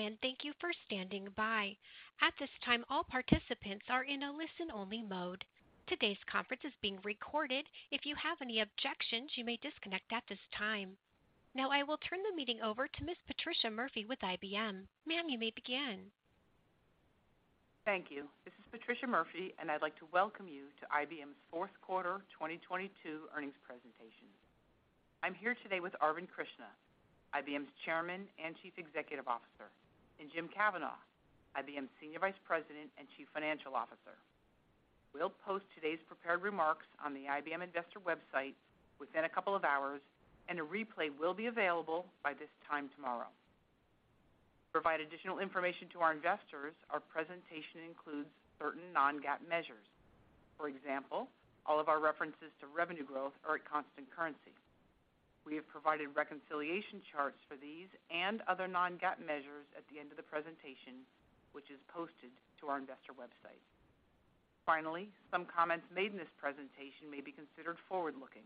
Welcome. Thank you for standing by. At this timeall partttttcipants are in a listen-only mode. Today's conference is being recorded. If you have any objections, you may disconnect at this time. I will turn the meeting over to Ms. Patricia Murphy with IBM. Ma'am, you may begin. Thank you. This is Patricia Murphy, I'd like to welcome you to IBM's fourth quarter 2022 earnings presentation. I'm here today with Arvind Krishna, IBM's Chairman and Chief Executive Officer, and Jim Kavanaugh, IBM's Senior Vice President and Chief Financial Officer. We'll post today's prepared remarks on the IBM investor website within a couple of hours, a replay will be available by this time tomorrow. To provide additional information to our investors, our presentation includes certain non-GAAP measures. For example, all of our references to revenue growth are at constant currency. We have provided reconciliation charts for these and other non-GAAP measures at the end of the presentation, which is posted to our investor website. Finally, some comments made in this presentation may be considered forward-looking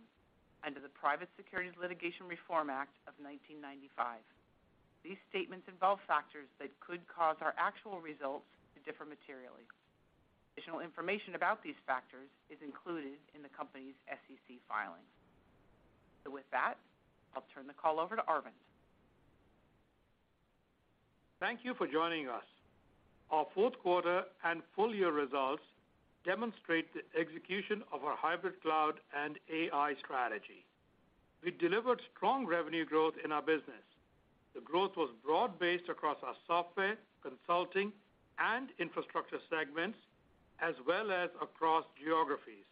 under the Private Securities Litigation Reform Act of 1995. These statements involve factors that could cause our actual results to differ materially. Additional information about these factors is included in the company's SEC filings. With that, I'll turn the call over to Arvind. Thank you for joining us. Our fourth quarter and full-year results demonstrate the execution of our hybrid cloud and AI strategy. We delivered strong revenue growth in our business. The growth was broad-based across our software, consulting, and infrastructure segments, as well as across geographies.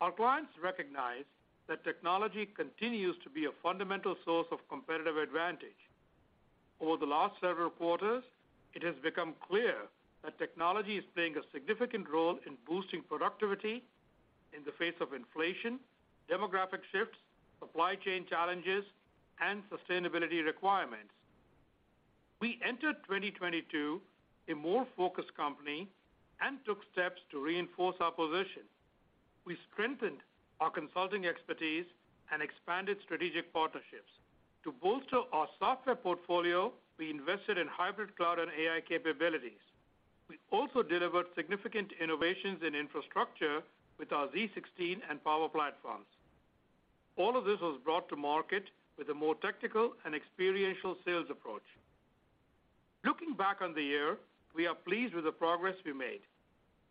Our clients recognize that technology continues to be a fundamental source of competitive advantage. Over theT last several quarters, it has become clear that technology is playing a signiTTficant role in boosting productivity in the face of inflation, demographic shifts, supply chain challenges, and sustainability requirements. We entered 2022 a more focused company and took steps to reinforce our position. We strengthened our consulting expertise and expanded strategic partnerships. To bolster our software portfolio, we invested in hybrid cloud and AI capabilities. We also delivered significant innovations in infrastructure with our z16 and Power platforms. All of this was brought to market with a more technical and experiential sales approach. Looking back on the year, we are pleased with the progress we made.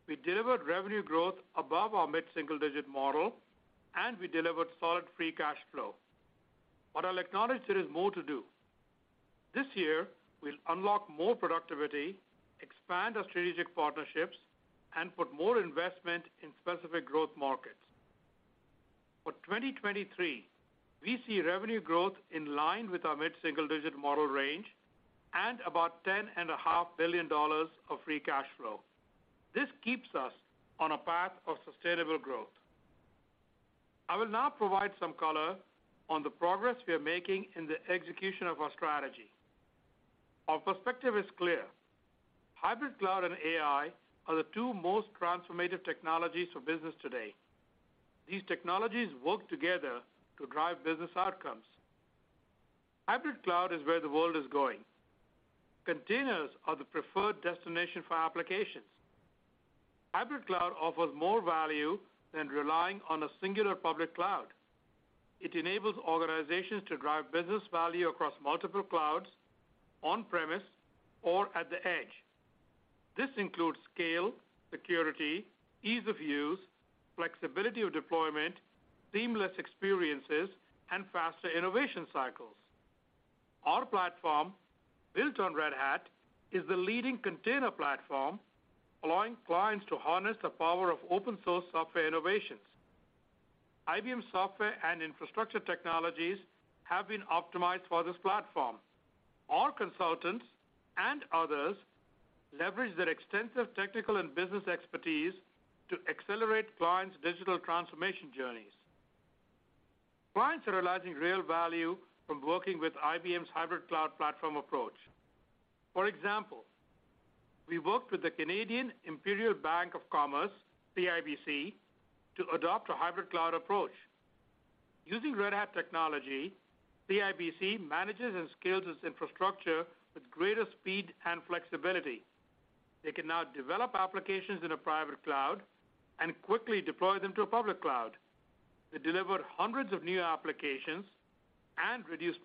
We delivered revenue growth above our mid-single-digit model. We delivered solid free cash flow. I'll acknowledge there is more to do. This year, we'll unlock more productivity, expand our strategic partnerships, and put more investment in specific growth markets. For 2023, we see revenue growth in line with our mid-single-digit model range and about ten and a half billion dollars of free cash flow. This keeps us on a path of sustainable growth. I will now provide some color on the progress we are making in the execution of our strategy. Our perspective is clear. Hybrid cloud and AI are the two most transformative technologies for business today. These technologies work together to drive business outcomes. Hybrid cloud is where the world is going. Containers are the preferred destination for applications. Hybrid cloud offers more value than relying on a singular public cloud. It enables organizations to drive business value across multiple clouds, on-premise, or at the edge. This includes scale, security, ease of use, flexibility of deployment, seamless experiences, and faster innovation cycles. Our platform, built on Red Hat, is the leading container platform, allowing clients to harness the power of open source software innovations. IBM software and infrastructure technologies have been optimized for this platform. Our consultants and others leverage their extensive technical and business expertise to accelerate clients' digital transformation journeys. Clients are realizing real value from working with IBM's hybrid cloud platform approach. For example, we worked with the Canadian Imperial Bank of Commerce, CIBC, to adopt a hybrid cloud approach. Using Red Hat technology, CIBC manages and scales its infrastructure with greater speed and flexibility. They can now develop applications in a private cloud and quickly deploy them to a public cloud. They delivered hundreds of new applications and reduced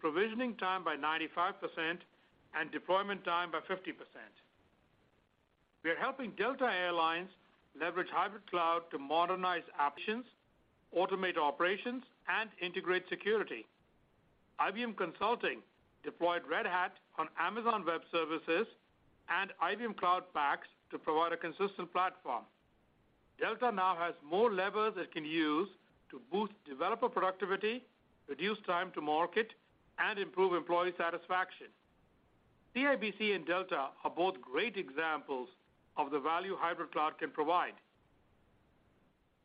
provisioning time by 95% and deployment time by 50%. We are helping Delta Air Lines leverage hybrid cloud to modernize applications, automate operations, and integrate security. IBM Consulting deployed Red Hat on Amazon Web Services and IBM Cloud Paks to provide a consistent platform. Delta now has more levers it can use to boost developer productivity, reduce time to market, and improve employee satisfaction. CIBC and Delta are both great examples of the value hybrid cloud can provide.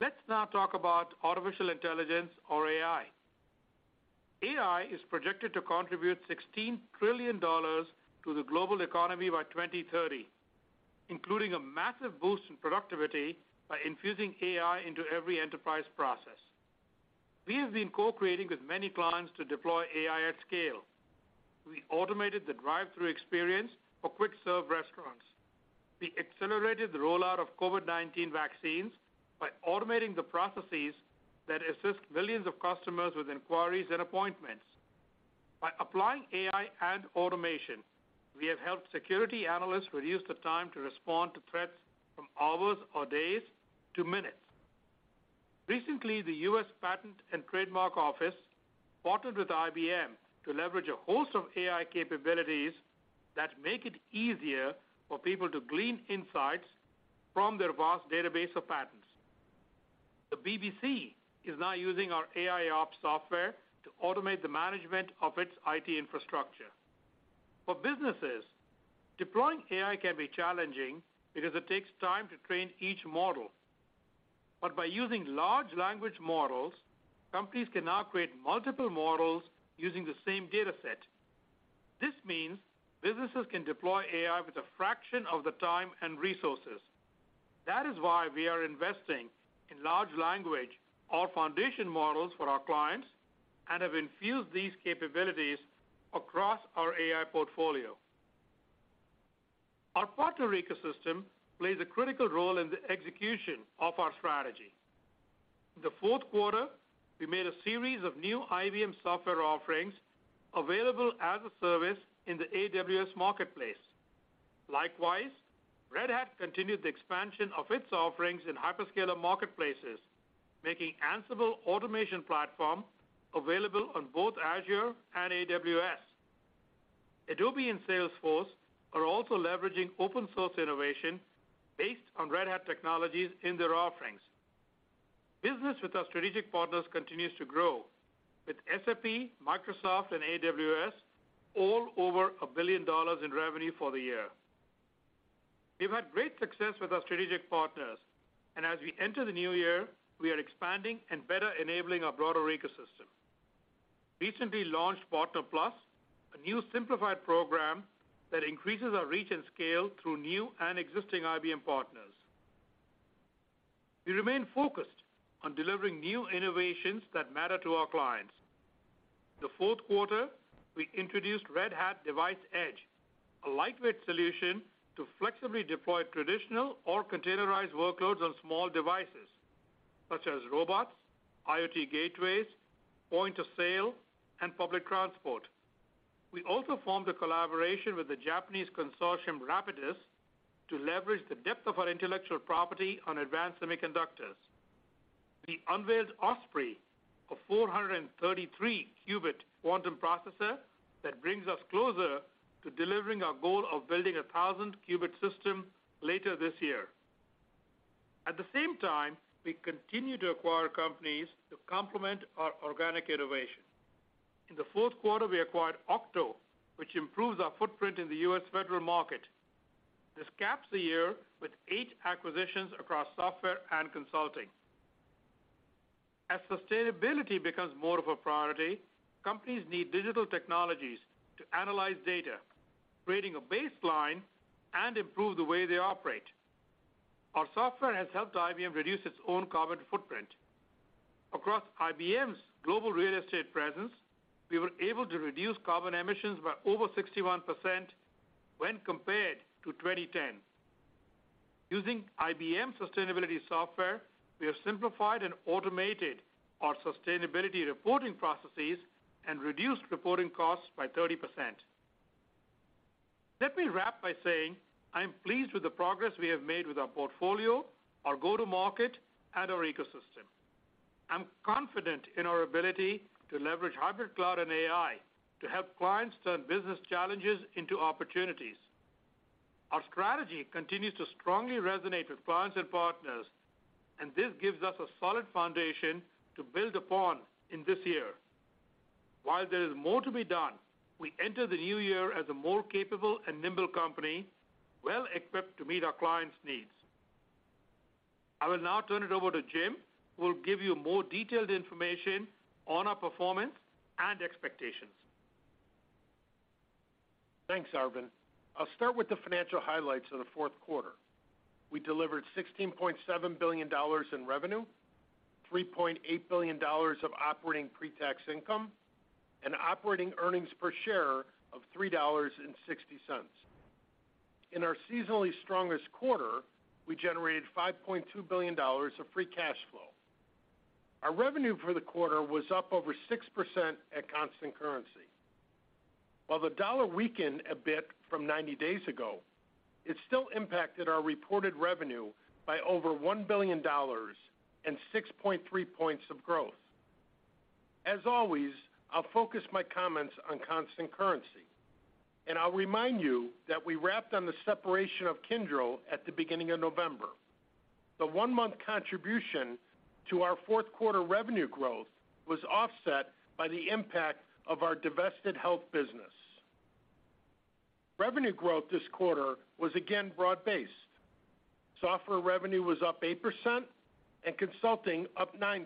Let's now talk about artificial intelligence or AI. AI is projected to contribute $16 trillion to the global economy by 2030, including a massive boost in productivity by infusing AI into every enterprise process. We have been co-creating with many clients to deploy AI at scale. We automated the drive-through experience for quick-serve restaurants. We accelerated the rollout of COVID-19 vaccines by automating the processes that assist millions of customers with inquiries and appointments. By applying AI and automation, we have helped security analysts reduce the time to respond to threats from hours or days to minutes. Recently, the U.S. Patent and Trademark Office partnered with IBM to leverage a host of AI capabilities that make it easier for people to glean insights from their vast database of patents. The BBC is now using our AIOps software to automate the management of its IT infrastructure. For businesses, deploying AI can be challenging because it takes time to train each model. By using large language models, companies can now create multiple models using the same dataset. This means businesses can deploy AI with a fraction of the time and resources. That is why we are investing in large language or foundation models for our clients and have infused these capabilities across our AI portfolio. Our partner ecosystem plays a critical role in the execution of our strategy. In the fourth quarter, we made a series of new IBM software offerings available as a service in the AWS Marketplace. Likewise, Red Hat continued the expansion of its offerings in hyperscaler marketplaces, making Ansible automation platform available on both Azure and AWS. Adobe and Salesforce are also leveraging open source innovation based on Red Hat technologies in their offerings. Business with our strategic partners continues to grow, with SAP, Microsoft, and AWS all over $1 billion in revenue for the year. We've had great success with our strategic partners, and as we enter the new year, we are expanding and better enabling our broader ecosystem. Recently launched Partner Plus, a new simplified program that increases our reach and scale through new and existing IBM partners. We remain focused on delivering new innovations that matter to our clients. The fourth quarter, we introduced Red Hat Device Edge, a lightweight solution to flexibly deploy traditional or containerized workloads on small devices, such as robots, IoT gateways, point of sale, and public transport. We also formed a collaboration with the Japanese consortium, Rapidus, to leverage the depth of our intellectual property on advanced semiconductors. We unveiled Osprey, a 433-qubit quantum processor that brings us closer to delivering our goal of building a 1,000-qubit system later this year. The same time, we continue to acquire companies to complement our organic innovation. In the fourth quarter, we acquired Octo, which improves our footprint in the U.S. federal market. This caps the year with eight acquisitions across software and consulting. Sustainability becomes more of a priority, companies need digital technologies to analyze data, creating a baseline and improve the way they operate. Our software has helped IBM reduce its own carbon footprint. Across IBM's global real estate presence, we were able to reduce carbon emissions by over 61% when compared to 2010. Using IBM sustainability software, we have simplified and automated our sustainability reporting processes and reduced reporting costs by 30%. Let me wrap by saying I'm pleased with the progress we have made with our portfolio, our go-to-market, and our ecosystem. I'm confident in our ability to leverage hybrid cloud and AI to help clients turn business challenges into opportunities. Our strategy continues to strongly resonate with clients and partners, and this gives us a solid foundation to build upon in this year. While there is more to be done, we enter the new year as a more capable and nimble company, well equipped to meet our clients' needs. I will now turn it over to Jim, who will give you more detailed information on our performance and expectations. Thanks, Arvind. I'll start with the financial highlights of the fourth quarter. We delivered $16.7 billion in revenue, $3.8 billion of operating pre-tax income, and operating earnings per share of $3.60. In our seasonally strongest quarter, we generated $5.2 billion of free cash flow. Our revenue for the quarter was up over 6% at constant currency. While the dollar weakened a bit from 90 days ago, it still impacted our reported revenue by over $1 billion and 6.3 points of growth. As always, I'll focus my comments on constant currency, and I'll remind you that we wrapped on the separation of Kyndryl at the beginning of November. The one-month contribution to our fourth quarter revenue growth was offset by the impact of our divested health business. Revenue growth this quarter was again broad-based. Software revenue was up 8% and consulting up 9%.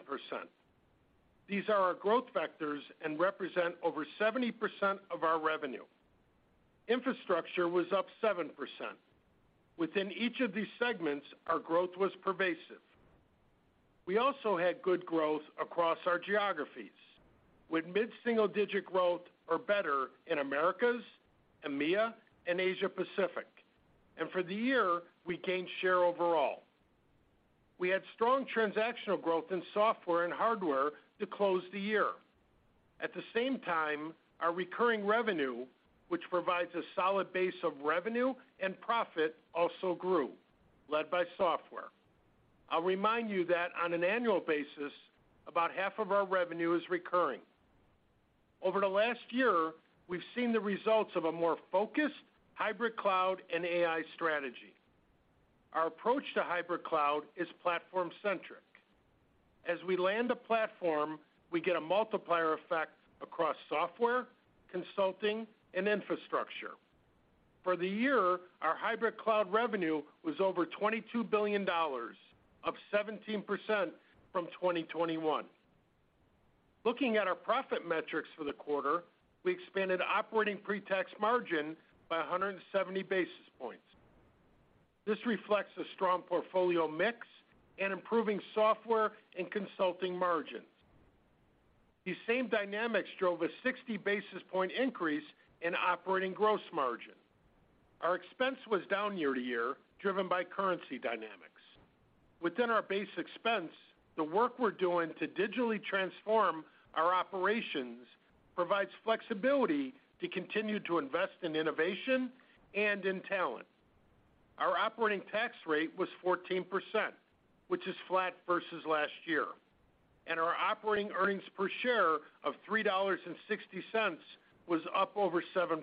These are our growth vectors and represent over 70% of our revenue. Infrastructure was up 7%. Within each of these segments, our growth was pervasive. We also had good growth across our geographies, with mid-single digit growth or better in Americas, EMEA, and Asia Pacific. For the year, we gained share overall. We had strong transactional growth in software and hardware to close the year. At the same time, our recurring revenue, which provides a solid base of revenue and profit, also grew, led by software. I'll remind you that on an annual basis, about half of our revenue is recurring. Over the last year, we've seen the results of a more focused hybrid cloud and AI strategy. Our approach to hybrid cloud is platform-centric. As we land a platform, we get a multiplier effect across software, consulting, and infrastructure. For the year, our hybrid cloud revenue was over $22 billion, up 17% from 2021. Looking at our profit metrics for the quarter, we expanded operating pre-tax margin by 170 basis points. This reflects a strong portfolio mix and improving software and consulting margins. These same dynamics drove a 60 basis point increase in operating gross margin. Our expense was down year to year, driven by currency dynamics. Within our base expense, the work we're doing to digitally transform our operations provides flexibility to continue to invest in innovation and in talent. Our operating tax rate was 14%, which is flat versus last year, and our operating earnings per share of $3.60 was up over 7%.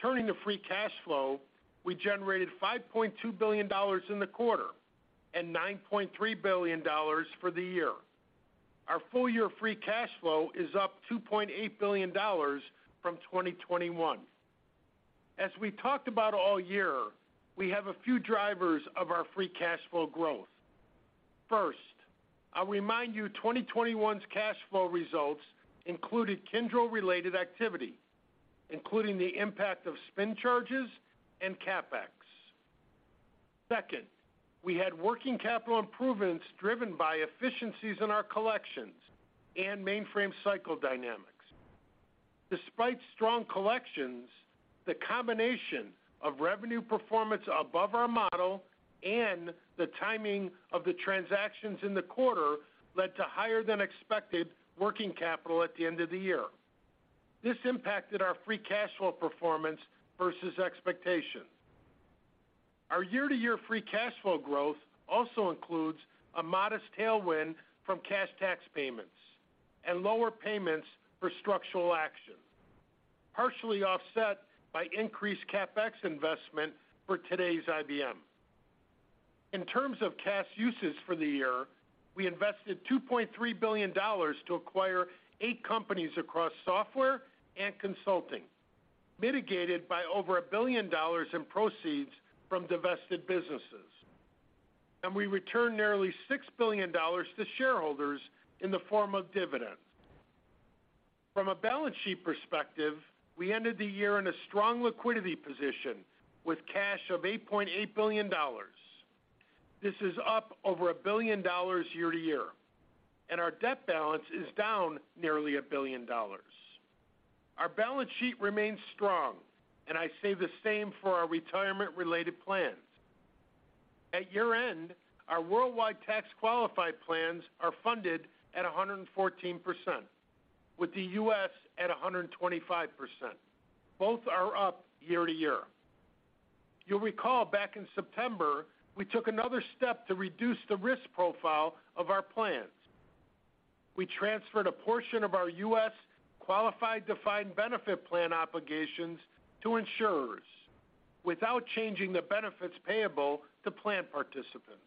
Turning to free cash flow, we generated $5.2 billion in the quarter and $9.3 billion for the year. Our full year free cash flow is up $2.8 billion from 2021. As we talked about all year, we have a few drivers of our free cash flow growth. First, I'll remind 2021's cash flow results included Kyndryl-related activity, including the impact of spin charges and CapEx. Second, we had working capital improvements driven by efficiencies in our collections and mainframe cycle dynamics. Despite strong collections, the combination of revenue performance above our model and the timing of the transactions in the quarter led to higher than expected working capital at the end of the year. This impacted our free cash flow performance versus expectations. Our year-to-year free cash flow growth also includes a modest tailwind from cash tax payments and lower payments for structural action, partially offset by increased CapEx investment for today's IBM. In terms of cash uses for the year, we invested $2.3 billion to acquire eight companies across software and consulting, mitigated by over $1 billion in proceeds from divested businesses. We returned nearly $6 billion to shareholders in the form of dividends. From a balance sheet perspective, we ended the year in a strong liquidity position with cash of $8.8 billion. This is up over $1 billion year-to-year, and our debt balance is down nearly $1 billion. Our balance sheet remains strong, and I say the same for our retirement-related plans. At year-end, our worldwide tax qualified plans are funded at 114%, with the U.S. at 125%. Both are up year-over-year. You'll recall back in September, we took another step to reduce the risk profile of our plans. We transferred a portion of our U.S. qualified defined benefit plan obligations to insurers without changing the benefits payable to plan participants.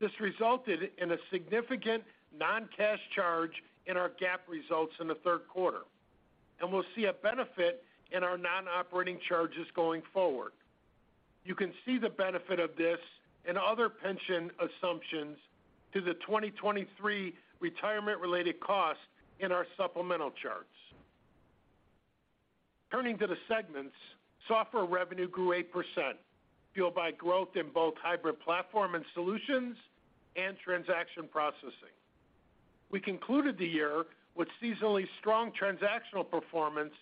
This resulted in a significant non-cash charge in our GAAP results in the third quarter, and we'll see a benefit in our non-operating charges going forward. You can see the benefit of this and other pension assumptions to the 2023 retirement-related costs in our supplemental charts. Turning to the segments, software revenue grew 8%, fueled by growth in both hybrid platform and solutions and transaction processing. We concluded the year with seasonally strong transactional performance,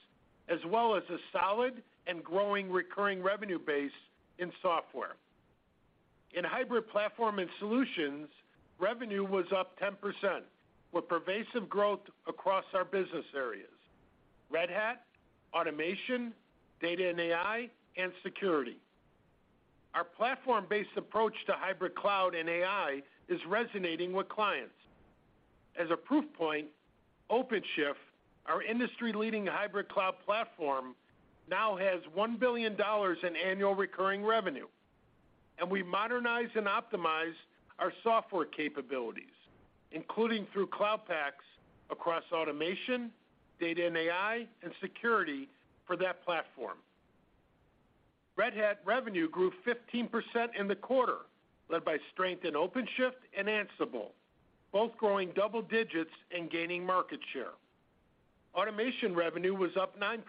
as well as a solid and growing recurring revenue base in software. In hybrid platform and solutions, revenue was up 10%, with pervasive growth across our business areas: Red Hat, automation, data and AI, and security. Our platform-based approach to hybrid cloud and AI is resonating with clients. As a proof point, OpenShift, our industry-leading hybrid cloud platform, now has $1 billion in annual recurring revenue, and we modernized and optimized our software capabilities, including through Cloud Paks, across automation, data and AI, and security for that platform. Red Hat revenue grew 15% in the quarter, led by strength in OpenShift and Ansible, both growing double digits and gaining market share. Automation revenue was up 9%.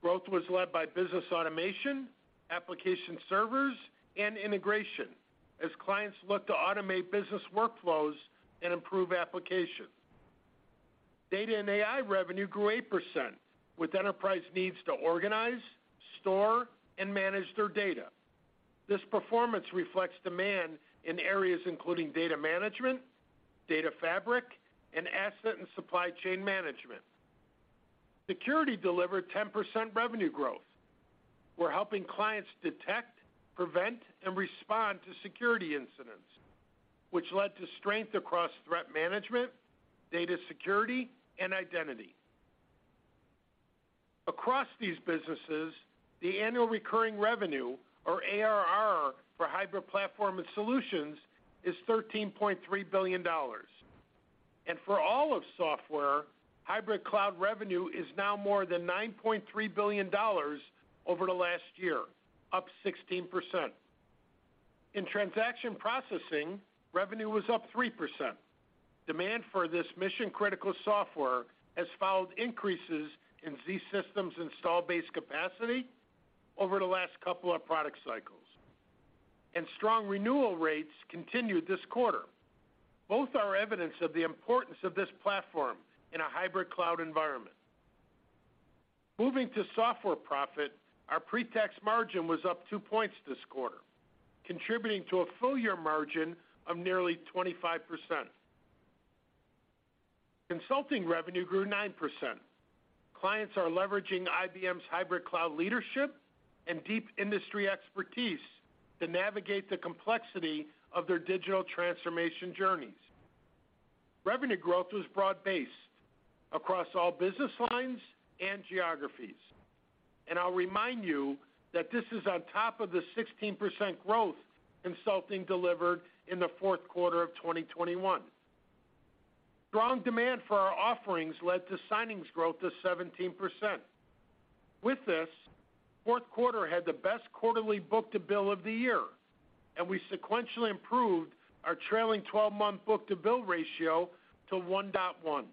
Growth was led by business automation, application servers, and integration as clients look to automate business workflows and improve application. Data and AI revenue grew 8% with enterprise needs to organize, store, and manage their data. This performance reflects demand in areas including data management, data fabric, and asset and supply chain management. Security delivered 10% revenue growth. We're helping clients detect, prevent, and respond to security incidents, which led to strength across threat management, data security, and identity. Across these businesses, the annual recurring revenue, or ARR, for hybrid platform and solutions is $13.3 billion. For all of software, hybrid cloud revenue is now more than $9.3 billion over the last year, up 16%. In transaction processing, revenue was up 3%. Demand for this mission-critical software has followed increases in zSystems install base capacity over the last couple of product cycles. Strong renewal rates continued this quarter. Both are evidence of the importance of this platform in a hybrid cloud environment. Moving to software profit, our pre-tax margin was up 2 points this quarter, contributing to a full year margin of nearly 25%. Consulting revenue grew 9%. Clients are leveraging IBM's hybrid cloud leadership and deep industry expertise to navigate the complexity of their digital transformation journeys. Revenue growth was broad-based across all business lines and geographies. I'll remind you that this is on top of the 16% growth consulting delivered in the fourth quarter of 2021. Strong demand for our offerings led to signings growth of 17%. With this, fourth quarter had the best quarterly book-to-bill of the year, and we sequentially improved our trailing twelve-month book-to-bill ratio to 1.1.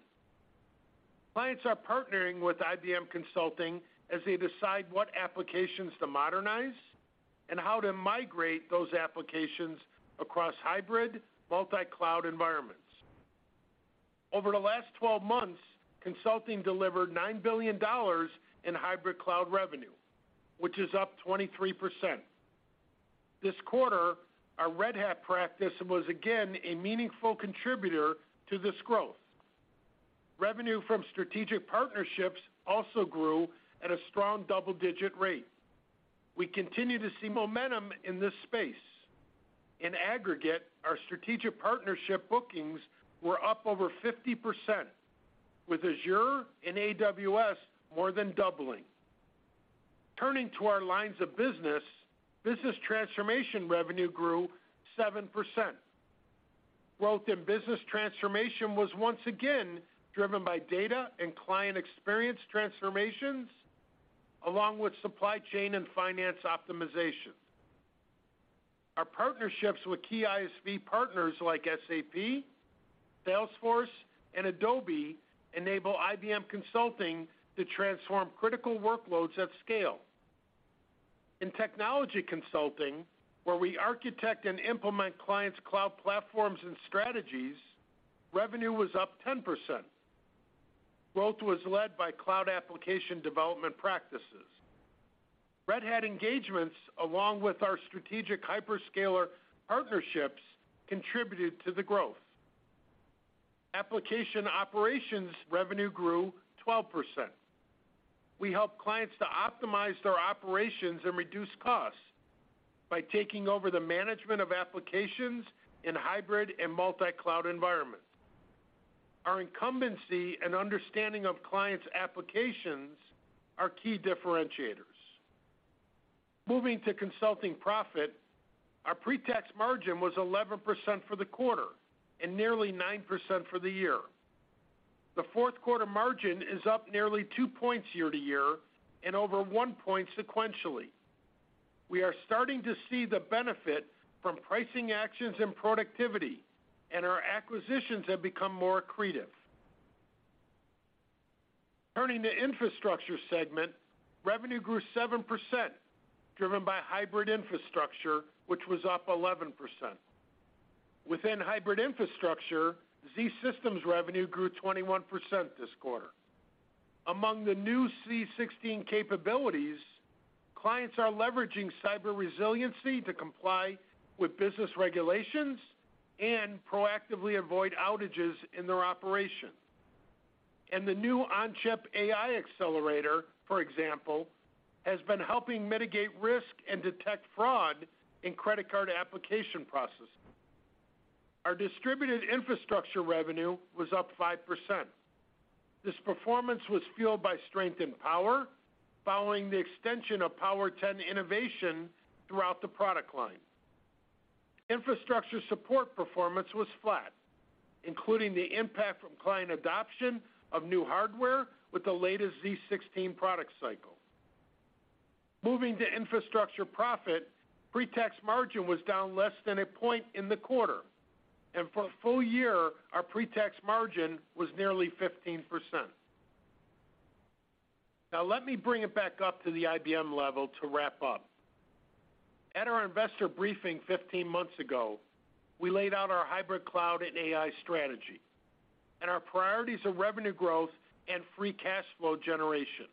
Clients are partnering with IBM Consulting as they decide what applications to modernize and how to migrate those applications across hybrid multi-cloud environments. Over the last 12 months, Consulting delivered $9 billion in hybrid cloud revenue, which is up 23%. This quarter, our Red Hat practice was again a meaningful contributor to this growth. Revenue from strategic partnerships also grew at a strong double-digit rate. We continue to see momentum in this space. In aggregate, our strategic partnership bookings were up over 50% with Azure and AWS more than doubling. Turning to our lines of business transformation revenue grew 7%. Growth in business transformation was once again driven by data and client experience transformations along with supply chain and finance optimization. Our partnerships with key ISV partners like SAP, Salesforce, and Adobe enable IBM Consulting to transform critical workloads at scale. In technology consulting, where we architect and implement clients' cloud platforms and strategies, revenue was up 10%. Growth was led by cloud application development practices. Red Hat engagements, along with our strategic hyperscaler partnerships, contributed to the growth. Application operations revenue grew 12%. We help clients to optimize their operations and reduce costs by taking over the management of applications in hybrid and multi-cloud environments. Our incumbency and understanding of clients' applications are key differentiators. Moving to consulting profit, our pre-tax margin was 11% for the quarter and nearly 9% for the year. The fourth quarter margin is up nearly two points year-over-year and over one point sequentially. We are starting to see the benefit from pricing actions and productivity, and our acquisitions have become more accretive. Turning to infrastructure segment, revenue grew 7% driven by hybrid infrastructure, which was up 11%. Within hybrid infrastructure, IBM zSystems revenue grew 21% this quarter. Among the new IBM z16 capabilities, clients are leveraging cyber resiliency to comply with business regulations and proactively avoid outages in their operation. The new on-chip AI accelerator, for example, has been helping mitigate risk and detect fraud in credit card application processing. Our distributed infrastructure revenue was up 5%. This performance was fueled by strength in Power following the extension of Power10 innovation throughout the product line. Infrastructure support performance was flat, including the impact from client adoption of new hardware with the latest IBM z16 product cycle. Moving to infrastructure profit, pre-tax margin was down less than 1 point in the quarter. For a full year, our pre-tax margin was nearly 15%. Now, let me bring it back up to the IBM level to wrap up. At our investor briefing 15 months ago, we laid out our hybrid cloud and AI strategy and our priorities of revenue growth and free cash flow generation.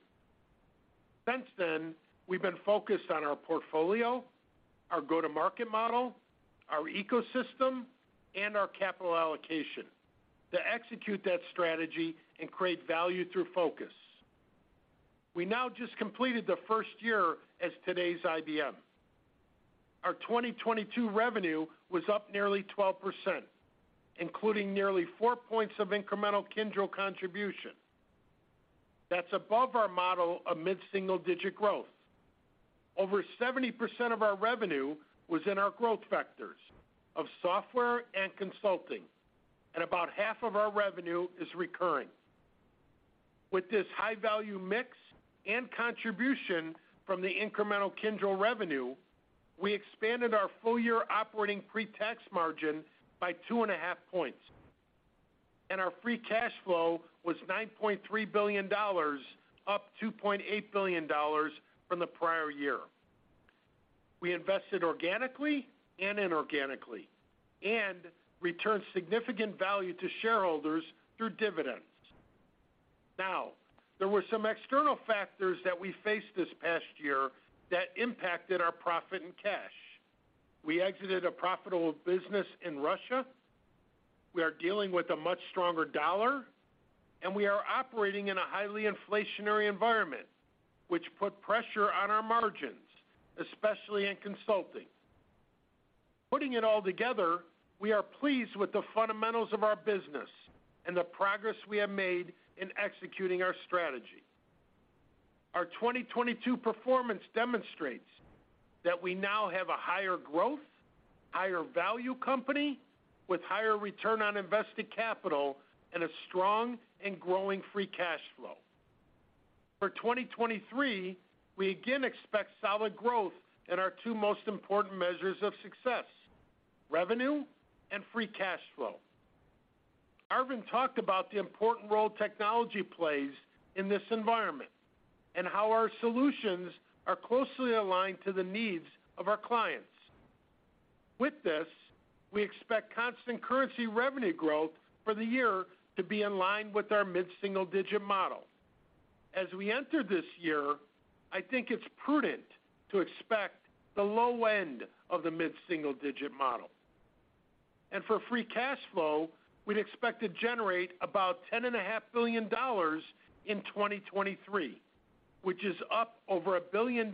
Since then, we've been focused on our portfolio, our go-to-market model, our ecosystem, and our capital allocation to execute that strategy and create value through focus. We now just completed the first year as today's IBM. Our 2022 revenue was up nearly 12%, including nearly 4 points of incremental Kyndryl contribution. That's above our model of mid-single-digit growth. Over 70% of our revenue was in our growth vectors of software and consulting, and about half of our revenue is recurring. With this high-value mix and contribution from the incremental Kyndryl revenue, we expanded our full-year operating pre-tax margin by 2.5 points. Our free cash flow was $9.3 billion, up $2.8 billion from the prior year. We invested organically and inorganically and returned significant value to shareholders through dividends. There were some external factors that we faced this past year that impacted our profit and cash. We exited a profitable business in Russia, we are dealing with a much stronger dollar, and we are operating in a highly inflationary environment, which put pressure on our margins, especially in consulting. Putting it all together, we are pleased with the fundamentals of our business and the progress we have made in executing our strategy. Our 2022 performance demonstrates that we now have a higher growth, higher value company with higher return on invested capital and a strong and growing free cash flow. For 2023, we again expect solid growth in our two most important measures of success, revenue and free cash flow. Arvind talked about the important role technology plays in this environment and how our solutions are closely aligned to the needs of our clients. With this, we expect constant currency revenue growth for the year to be in line with our mid-single-digit model. As we enter this year, I think it's prudent to expect the low end of the mid-single-digit model. For free cash flow, we'd expect to generate about $10.5 billion in 2023, which is up over $1 billion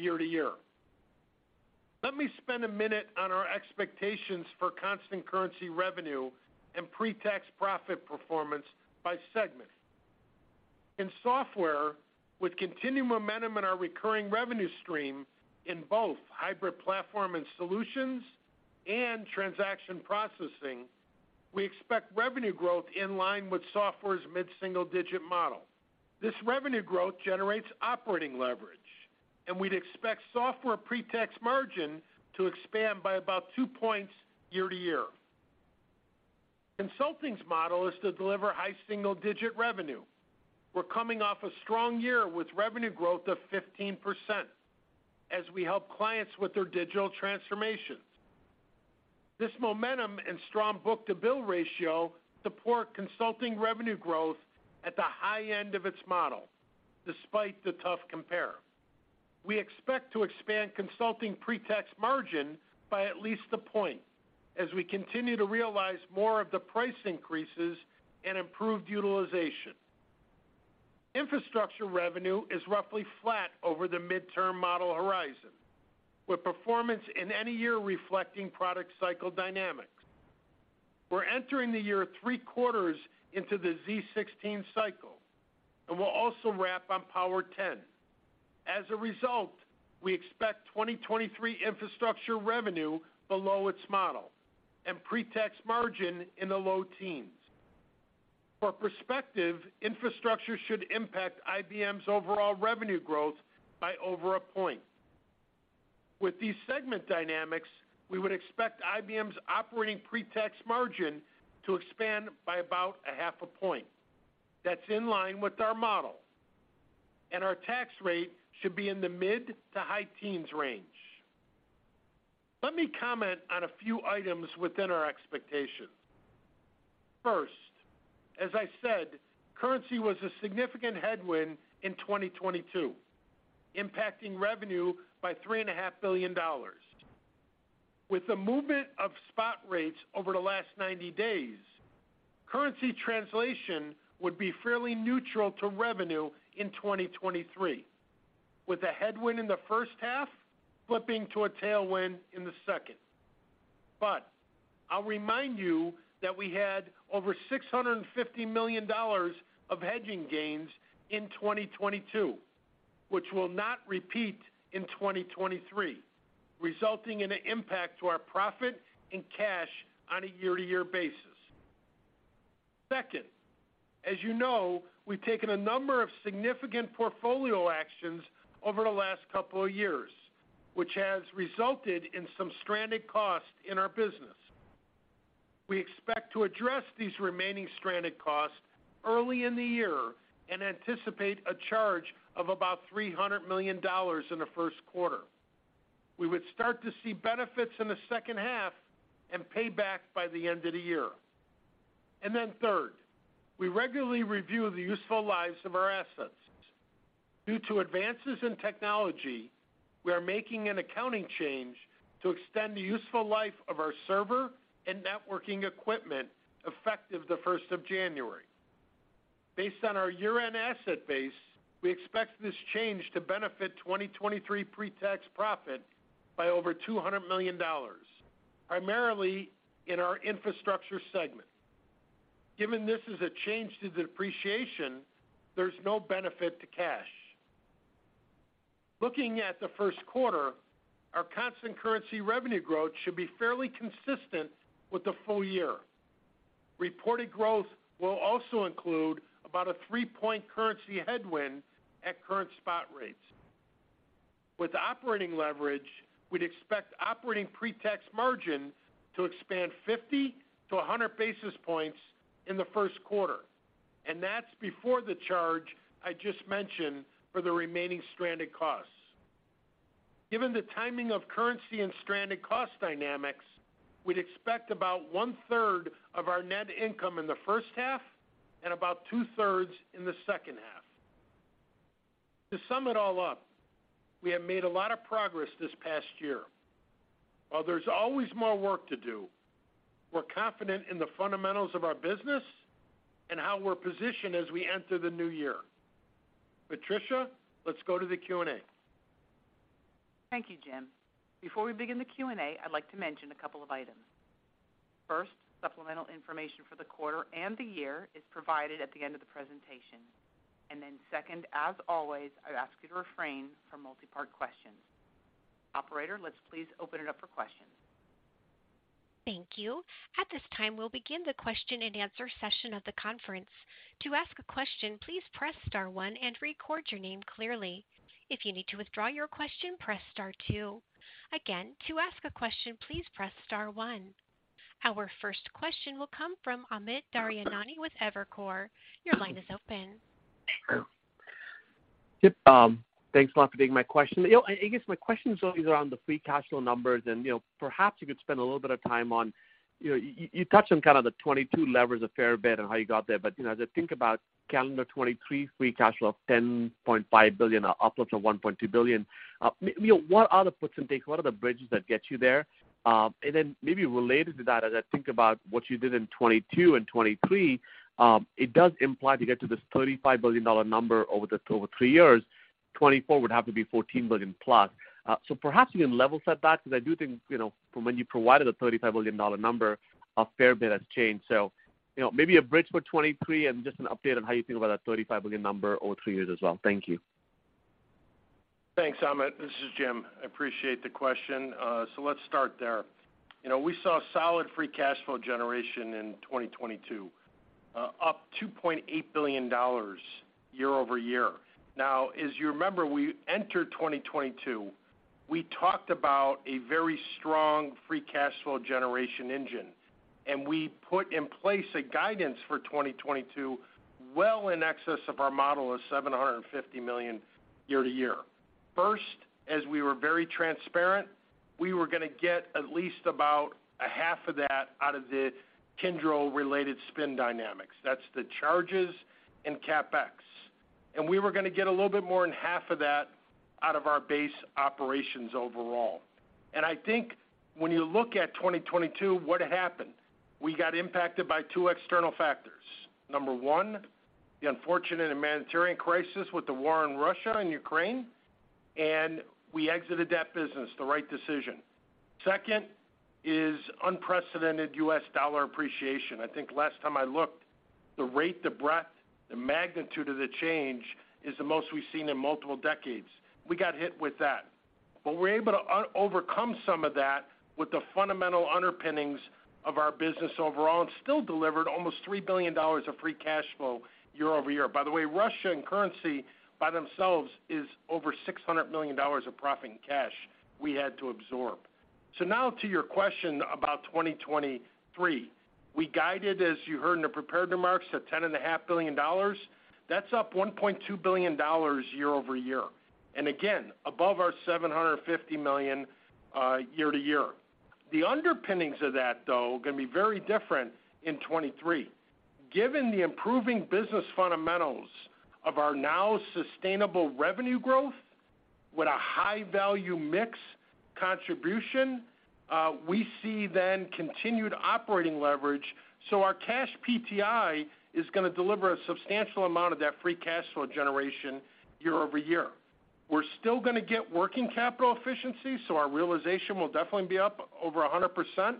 year-over-year. Let me spend a minute on our expectations for constant currency revenue and pre-tax profit performance by segment. In Software, with continued momentum in our recurring revenue stream in both hybrid platform and solutions and transaction processing, we expect revenue growth in line with Software's mid-single-digit model. This revenue growth generates operating leverage, and we'd expect Software pre-tax margin to expand by about 2 points year to year. Consulting's model is to deliver high single-digit revenue. We're coming off a strong year with revenue growth of 15% as we help clients with their digital transformations. This momentum and strong book-to-bill ratio support Consulting revenue growth at the high end of its model, despite the tough compare. We expect to expand Consulting pre-tax margin by at least 1 point as we continue to realize more of the price increases and improved utilization. Infrastructure revenue is roughly flat over the midterm model horizon, with performance in any year reflecting product cycle dynamics. We're entering the year 3 quarters into the z16 cycle, and we'll also wrap on Power10. As a result, we expect 2023 infrastructure revenue below its model and pre-tax margin in the low teens. For perspective, infrastructure should impact IBM's overall revenue growth by over a point. With these segment dynamics, we would expect IBM's operating pre-tax margin to expand by about a half a point. That's in line with our model, and our tax rate should be in the mid to high teens range. Let me comment on a few items within our expectations. First, as I said, currency was a significant headwind in 2022, impacting revenue by three and a half billion dollars. With the movement of spot rates over the last 90 days, currency translation would be fairly neutral to revenue in 2023, with a headwind in the first half flipping to a tailwind in the second. I'll remind you that we had over $650 million of hedging gains in 2022. Which will not repeat in 2023, resulting in an impact to our profit and cash on a year-to-year basis. Second, as you know, we've taken a number of significant portfolio actions over the last couple of years, which has resulted in some stranded costs in our business. We expect to address these remaining stranded costs early in the year and anticipate a charge of about $300 million in the first quarter. We would start to see benefits in the second half and pay back by the end of the year. Third, we regularly review the useful lives of our assets. Due to advances in technology, we are making an accounting change to extend the useful life of our server and networking equipment effective the first of January. Based on our year-end asset base, we expect this change to benefit 2023 pretax profit by over $200 million, primarily in our infrastructure segment. Given this is a change to the depreciation, there's no benefit to cash. Looking at the first quarter, our constant currency revenue growth should be fairly consistent with the full year. Reported growth will also include about a 3-point currency headwind at current spot rates. With operating leverage, we'd expect operating pretax margin to expand 50-100 basis points in the first quarter, and that's before the charge I just mentioned for the remaining stranded costs. Given the timing of currency and stranded cost dynamics, we'd expect about one-third of our net income in the first half and about two-thirds in the second half. To sum it all up, we have made a lot of progress this past year. While there's always more work to do, we're confident in the fundamentals of our business and how we're positioned as we enter the new year. Patricia, let's go to the Q&A. Thank you, Jim. Before we begin the Q&A, I'd like to mention a couple of items. First, supplemental information for the quarter and the year is provided at the end of the presentation. Second, as always, I'll ask you to refrain from multi-part questions. Operator, let's please open it up for questions. Thank you. At this time, we'll begin the question-and-answer session of the conference. To ask a question, please press star one and record your name clearly. If you need to withdraw your question, press star two. Again, to ask a question, please press star one. Our first question will come from Amit Daryanani with Evercore. Your line is open. Yep, thanks a lot for taking my question. You know, I guess my question is always around the free cash flow numbers and, you know, perhaps you could spend a little bit of time on, you know, you touched on kind of the 2022 levers a fair bit and how you got there. You know, as I think about calendar 2023 free cash flow of $10.5 billion, upwards of $1.2 billion, you know, what are the puts and takes? What are the bridges that get you there? Then maybe related to that, as I think about what you did in 2022 and 2023, it does imply to get to this $35 billion number over the, over three years, 2024 would have to be $14 billion+. Perhaps you can level set that because I do think, you know, from when you provided a $35 billion number, a fair bit has changed. You know, maybe a bridge for 2023 and just an update on how you think about that $35 billion number over 3 years as well. Thank you. Thanks, Amit. This is Jim. I appreciate the question. Let's start there. You know, we saw solid free cash flow generation in 2022, up $2.8 billion year-over-year. Now, as you remember, we entered 2022, we talked about a very strong free cash flow generation engine, we put in place a guidance for 2022, well in excess of our model of $750 million year-to-year. First, as we were very transparent, we were gonna get at least about a half of that out of the Kyndryl related spin dynamics. That's the charges and CapEx. We were gonna get a little bit more than half of that out of our base operations overall. I think when you look at 2022, what happened? We got impacted by two external factors. Number one, the unfortunate and humanitarian crisis with the war in Russia and Ukraine. We exited that business, the right decision. Second is unprecedented U.S. dollar appreciation. I think last time I looked, the rate, the breadth, the magnitude of the change is the most we've seen in multiple decades. We got hit with that. We were able to overcome some of that with the fundamental underpinnings of our business overall, still delivered almost $3 billion of free cash flow year-over-year. By the way, Russia and currency by themselves is over $600 million of profit and cash we had to absorb. Now to your question about 2023. We guided, as you heard in the prepared remarks, at ten and a half billion dollars. That's up $1.2 billion year-over-year. Again, above our $750 million year-over-year. The underpinnings of that, though, are gonna be very different in 2023. Given the improving business fundamentals of our now sustainable revenue growth with a high value mix contribution, we see then continued operating leverage. Our cash PTI is gonna deliver a substantial amount of that free cash flow generation year-over-year. We're still gonna get working capital efficiency, so our realization will definitely be up over 100%.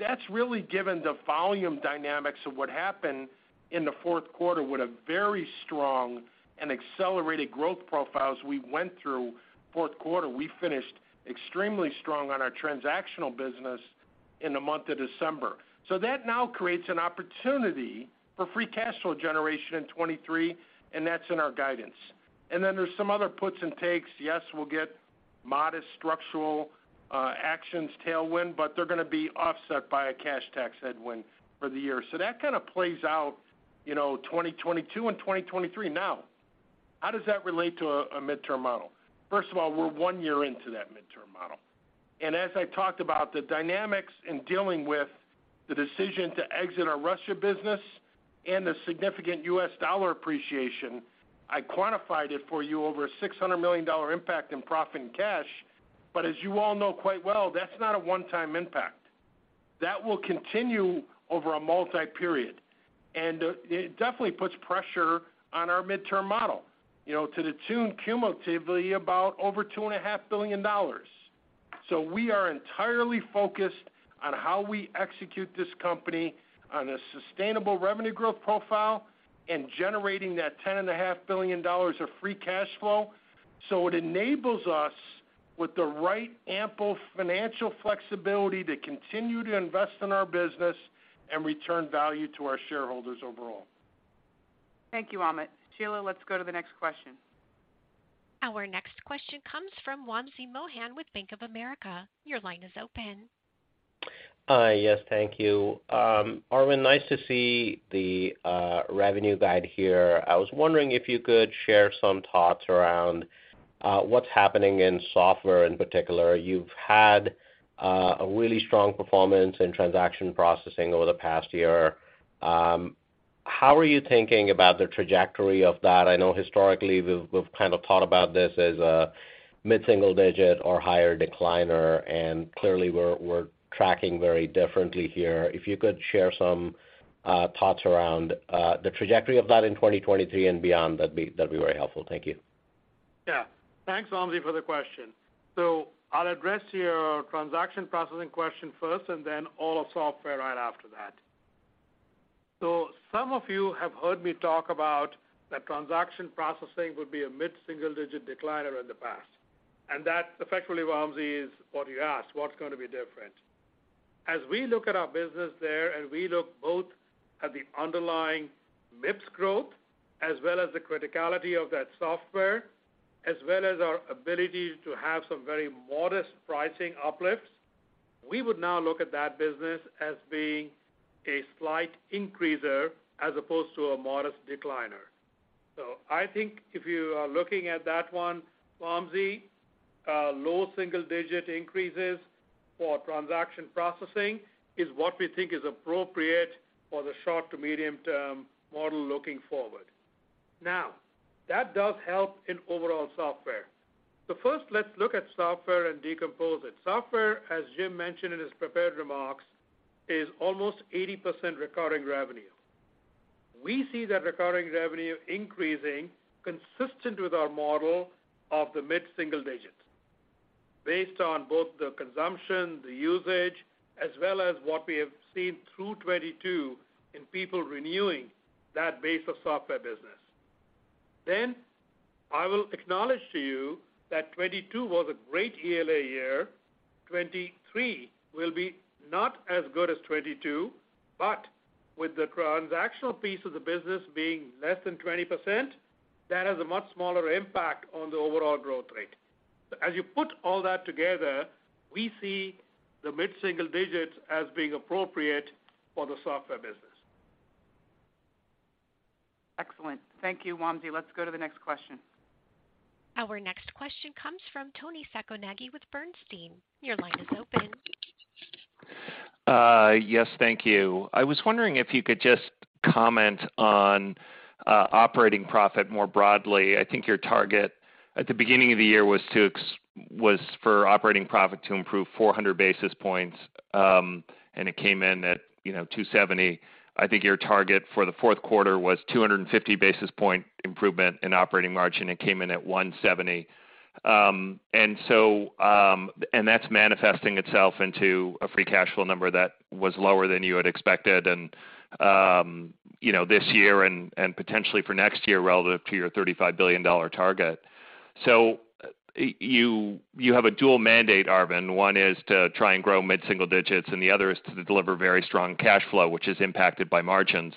That's really given the volume dynamics of what happened in the fourth quarter with a very strong and accelerated growth profile as we went through fourth quarter. We finished extremely strong on our transactional business in the month of December. That now creates an opportunity for free cash flow generation in 2023, and that's in our guidance. Then there's some other puts and takes. Yes, we'll get modest structural actions tailwind, but they're gonna be offset by a cash tax headwind for the year. That kind of plays out, you know, 2022 and 2023. How does that relate to a midterm model? First of all, we're one year into that midterm model. As I talked about the dynamics in dealing with the decision to exit our Russia business and the significant U.S. dollar appreciation, I quantified it for you over $600 million impact in profit and cash. As you all know quite well, that's not a one-time impact. That will continue over a multi-period, and it definitely puts pressure on our midterm model, you know, to the tune cumulatively about over $2.5 billion. We are entirely focused on how we execute this company on a sustainable revenue growth profile and generating that $10.5 billion of free cash flow. It enables us with the right ample financial flexibility to continue to invest in our business and return value to our shareholders overall. Thank you, Amit. Sheila, let's go to the next question. Our next question comes from Wamsi Mohan with Bank of America. Your line is open. Yes, thank you. Arvind, nice to see the revenue guide here. I was wondering if you could share some thoughts around what's happening in software in particular. You've had a really strong performance in transaction processing over the past year. How are you thinking about the trajectory of that? I know historically we've kind of thought about this as a mid-single digit or higher decliner, and clearly we're tracking very differently here. If you could share some thoughts around the trajectory of that in 2023 and beyond, that'd be very helpful. Thank you. Yeah. Thanks, Wamsi, for the question. I'll address your transaction processing question first and then all of software right after that. Some of you have heard me talk about that transaction processing would be a mid-single digit decliner in the past. That effectively, Wamsi, is what you asked, what's gonna be different. As we look at our business there, and we look both at the underlying MIPS growth as well as the criticality of that software, as well as our ability to have some very modest pricing uplifts, we would now look at that business as being a slight increaser as opposed to a modest decliner. I think if you are looking at that one, Wamsi, low single digit increases for transaction processing is what we think is appropriate for the short to medium term model looking forward. Now, that does help in overall software. First, let's look at software and decompose it. Software, as Jim mentioned in his prepared remarks, is almost 80% recurring revenue. We see that recurring revenue increasing consistent with our model of the mid-single digits based on both the consumption, the usage, as well as what we have seen through 2022 in people renewing that base of software business. I will acknowledge to you that 2022 was a great ELA year. 2023 will be not as good as 2022, but with the transactional piece of the business being less than 20%, that has a much smaller impact on the overall growth rate. As you put all that together, we see the mid-single digits as being appropriate for the software business. Excellent. Thank you, Wamsi. Let's go to the next question. Our next question comes from Toni Sacconaghi with Bernstein. Your line is open. Yes, thank you. I was wondering if you could just comment on operating profit more broadly. I think your target at the beginning of the year was for operating profit to improve 400 basis points, and it came in at, you know, 270. I think your target for the fourth quarter was 250 basis point improvement in operating margin, and came in at 170. That's manifesting itself into a free cash flow number that was lower than you had expected and, you know, this year and potentially for next year relative to your $35 billion target. So you have a dual mandate, Arvind. One is to try and grow mid-single digits, and the other is to deliver very strong cash flow, which is impacted by margins.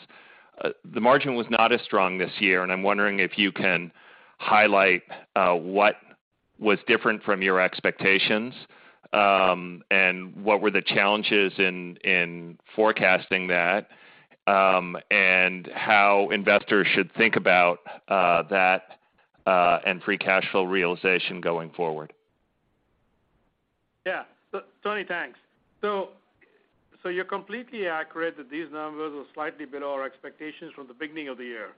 The margin was not as strong this year, and I'm wondering if you can highlight what was different from your expectations, and what were the challenges in forecasting that, and how investors should think about that and free cash flow realization going forward. Yeah. Toni, thanks. You're completely accurate that these numbers were slightly below our expectations from the beginning of the year.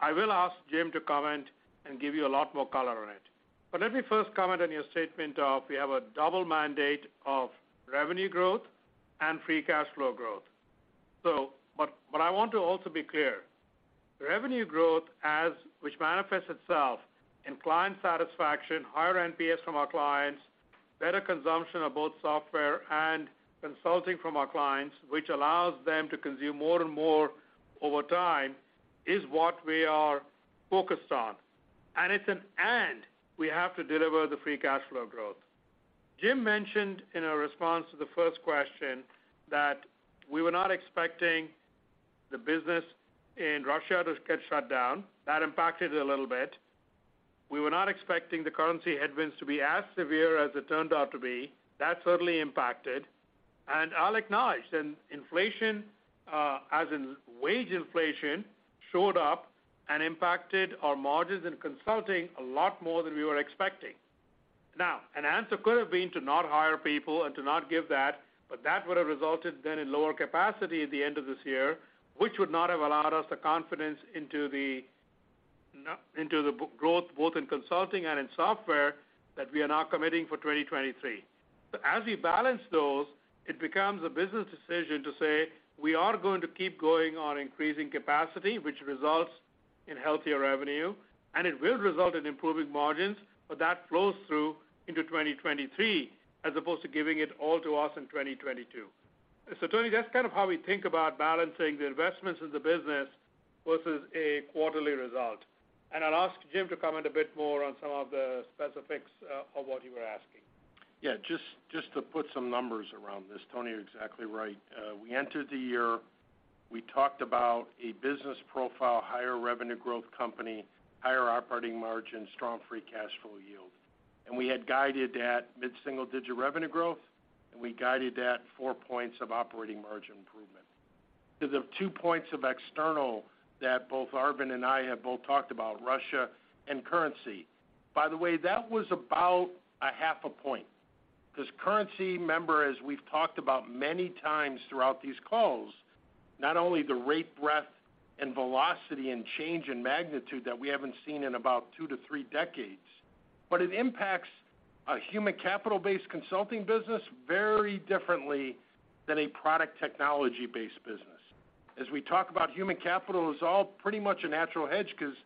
I will ask Jim to comment and give you a lot more color on it. Let me first comment on your statement of we have a double mandate of revenue growth and free cash flow growth. I want to also be clearRevenue growth as which manifests itself in client satisfaction, higher NPS from our clients, better consumption of both software and consulting from our clients, which allows them to consume more and more over time, is what we are focused on. We have to deliver the free cash flow growth. Jim mentioned in a response to the first question that we were not expecting the business in Russia to get shut down. That impacted a little bit. We were not expecting the currency headwinds to be as severe as it turned out to be. That certainly impacted. I'll acknowledge, and inflation, as in wage inflation, showed up and impacted our margins in consulting a lot more than we were expecting. Now, an answer could have been to not hire people and to not give that, but that would have resulted then in lower capacity at the end of this year, which would not have allowed us the confidence into the growth, both in consulting and in software, that we are now committing for 2023. As we balance those, it becomes a business decision to say, we are going to keep going on increasing capacity, which results in healthier revenue, and it will result in improving margins, but that flows through into 2023, as opposed to giving it all to us in 2022. Toni, that's kind of how we think about balancing the investments in the business versus a quarterly result. I'll ask Jim to comment a bit more on some of the specifics of what you were asking. Yeah. Just to put some numbers around this, Toni, you're exactly right. We entered the year, we talked about a business profile, higher revenue growth company, higher operating margin, strong free cash flow yield. We had guided at mid-single digit revenue growth, and we guided at 4 points of operating margin improvement. To the 2 points of external that both Arvind and I have both talked about, Russia and currency. By the way, that was about a half a point. 'Cause currency, remember, as we've talked about many times throughout these calls, not only the rate breadth and velocity and change in magnitude that we haven't seen in about 2 to 3 decades, but it impacts a human capital-based consulting business very differently than a product technology-based business. As we talk about human capital, it's all pretty much a natural hedge 'cause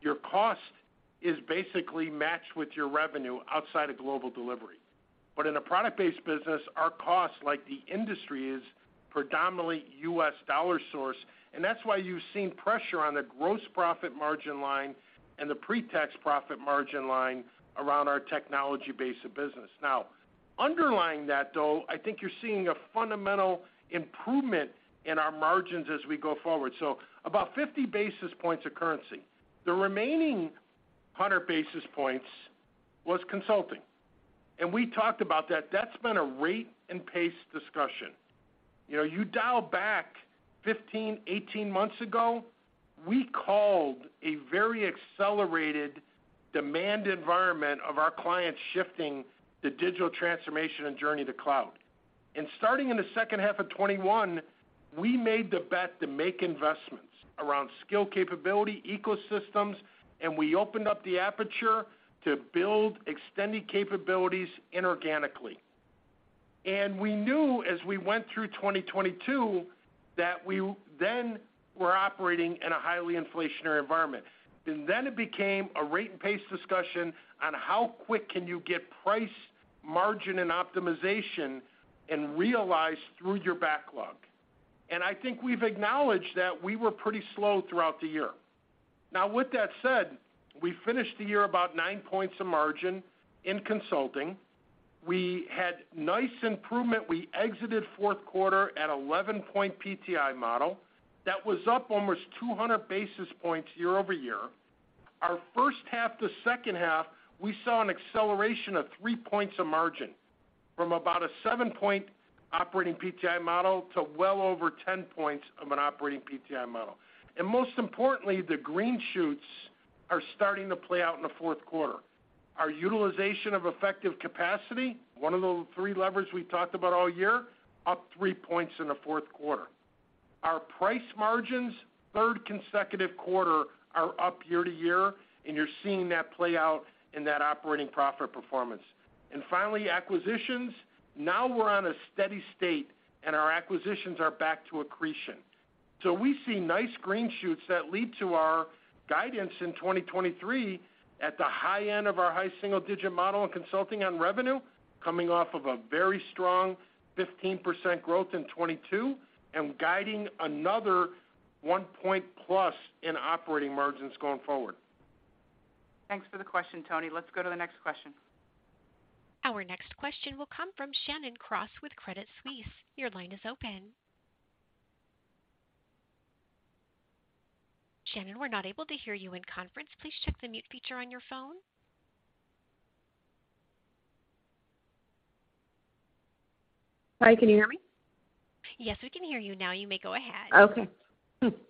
your cost is basically matched with your revenue outside of global delivery. In a product-based business, our cost, like the industry, is predominantly U.S. dollar-source, and that's why you've seen pressure on the gross profit margin line and the pre-tax profit margin line around our technology base of business. Underlying that, though, I think you're seeing a fundamental improvement in our margins as we go forward. About 50 basis points of currency. The remaining 100 basis points was consulting. We talked about that. That's been a rate and pace discussion. You know, you dial back 15, 18 months ago, we called a very accelerated demand environment of our clients shifting the digital transformation and journey to cloud. Starting in the second half of 2021, we made the bet to make investments around skill capability, ecosystems, and we opened up the aperture to build extended capabilities inorganically. We knew as we went through 2022 that we then were operating in a highly inflationary environment. Then it became a rate and pace discussion on how quick can you get price margin and optimization and realize through your backlog. I think we've acknowledged that we were pretty slow throughout the year. Now with that said, we finished the year about 9 points of margin in consulting. We had nice improvement. We exited fourth quarter at 11-point PTI model. That was up almost 200 basis points year-over-year. Our first half to second half, we saw an acceleration of 3 points of margin from about a 7-point operating PTI model to well over 10 points of an operating PTI model. Most importantly, the green shoots are starting to play out in the fourth quarter. Our utilization of effective capacity, one of the 3 levers we talked about all year, up 3 points in the fourth quarter. Our price margins, third consecutive quarter are up year-over-year, and you're seeing that play out in that operating profit performance. Finally, acquisitions. Now we're on a steady state, and our acquisitions are back to accretion. We see nice green shoots that lead to our guidance in 2023 at the high end of our high single digit model in consulting on revenue, coming off of a very strong 15% growth in 2022 and guiding another one point plus in operating margins going forward. Thanks for the question, Toni. Let's go to the next question. Our next question will come from Shannon Cross with Credit Suisse. Your line is open. Shannon, we're not able to hear you in conference. Please check the mute feature on your phone. Hi, can you hear me? Yes, we can hear you now. You may go ahead. Okay.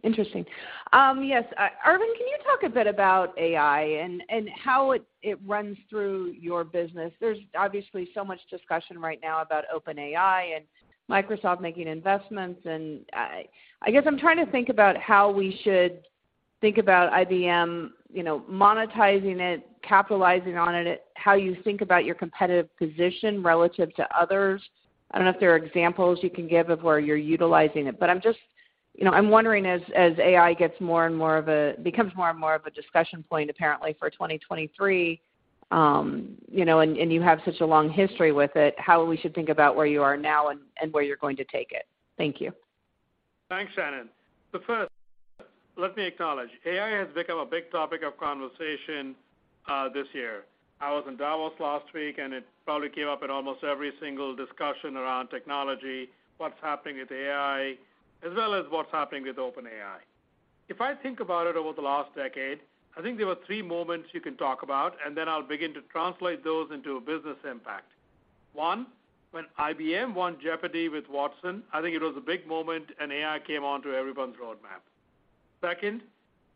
Interesting. Yes. Arvind, can you talk a bit about AI and how it runs through your business? There's obviously so much discussion right now about OpenAI and Microsoft making investments. I guess I'm trying to think about how we should think about IBM, you know, monetizing it, capitalizing on it, how you think about your competitive position relative to others. I don't know if there are examples you can give of where you're utilizing it. I'm just, you know, I'm wondering as AI gets more and more of a discussion point apparently for 2023. You know, and you have such a long history with it, how we should think about where you are now and where you're going to take it? Thank you. Thanks, Shannon. First, let me acknowledge, AI has become a big topic of conversation this year. I was in Davos last week, and it probably came up in almost every single discussion around technology, what's happening with AI, as well as what's happening with OpenAI. If I think about it over the last decade, I think there were 3 moments you can talk about, and then I'll begin to translate those into a business impact. 1, when IBM won Jeopardy! with Watson, I think it was a big moment, and AI came onto everyone's roadmap. 2,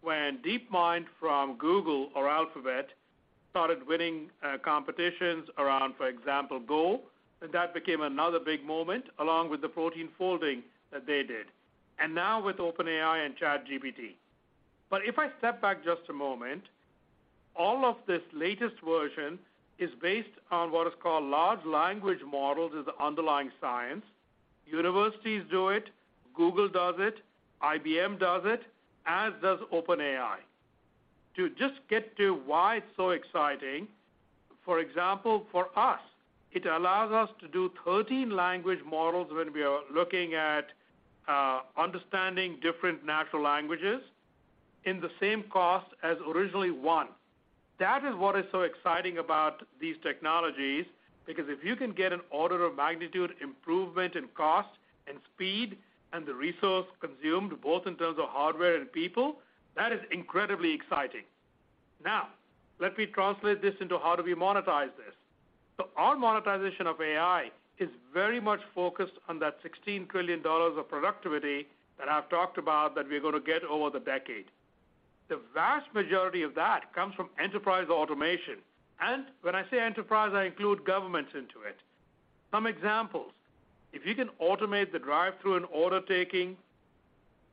when DeepMind from Google or Alphabet started winning competitions around, for example, Go, that became another big moment along with the protein folding that they did. Now with OpenAI and ChatGPT. If I step back just a moment, all of this latest version is based on what is called large language models as the underlying science. Universities do it, Google does it, IBM does it, as does OpenAI. To just get to why it's so exciting, for example, for us, it allows us to do 13 language models when we are looking at understanding different natural languages in the same cost as originally 1. That is what is so exciting about these technologies, because if you can get an order of magnitude improvement in cost and speed and the resource consumed, both in terms of hardware and people, that is incredibly exciting. Let me translate this into how do we monetize this. Our monetization of AI is very much focused on that $16 trillion of productivity that I've talked about that we're gonna get over the decade. The vast majority of that comes from enterprise automation. When I say enterprise, I include governments into it. Some examples: If you can automate the drive-thru and order taking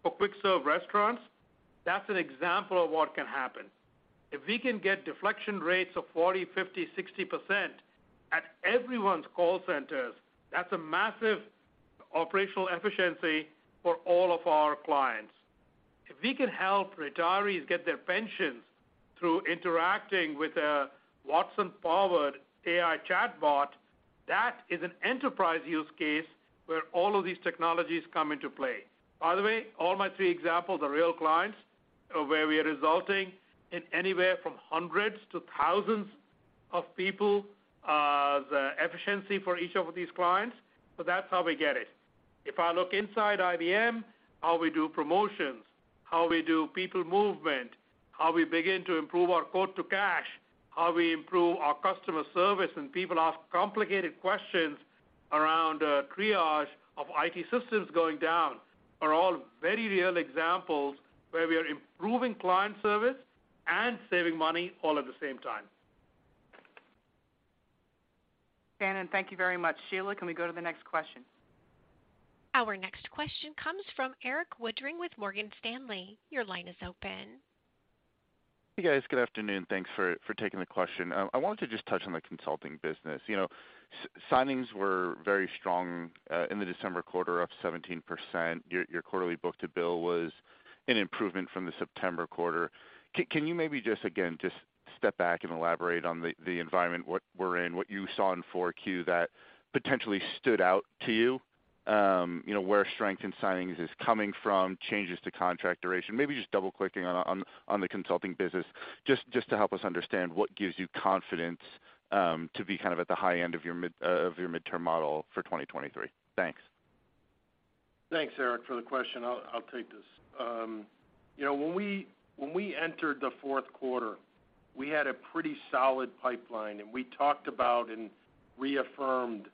for quick serve restaurants, that's an example of what can happen. If we can get deflection rates of 40%, 50%, 60% at everyone's call centers, that's a massive operational efficiency for all of our clients. If we can help retirees get their pensions through interacting with a Watson-powered AI chatbot, that is an enterprise use case where all of these technologies come into play. By the way, all my 3 examples are real clients where we are resulting in anywhere from hundreds to thousands of people, the efficiency for each of these clients. That's how we get it. If I look inside IBM, how we do promotions, how we do people movement, how we begin to improve our quote to cash, how we improve our customer service when people ask complicated questions around, triage of IT systems going down, are all very real examples where we are improving client service and saving money all at the same time. Shannon, thank you very much. Sheila, can we go to the next question? Our next question comes from Erik Woodring with Morgan Stanley. Your line is open. Hey, guys. Good afternoon. Thanks for taking the question. I wanted to just touch on the consulting business. You know, signings were very strong in the December quarter, up 17%. Your quarterly book-to-bill was an improvement from the September quarter. Can you maybe just again, just step back and elaborate on the environment what we're in, what you saw in 4Q that potentially stood out to you know, where strength in signings is coming from, changes to contract duration, maybe just double-clicking on the consulting business, just to help us understand what gives you confidence to be kind of at the high end of your midterm model for 2023. Thanks. Thanks, Erik, for the question. I'll take this. You know, when we entered the fourth quarter, we had a pretty solid pipeline, and we talked about and reaffirmed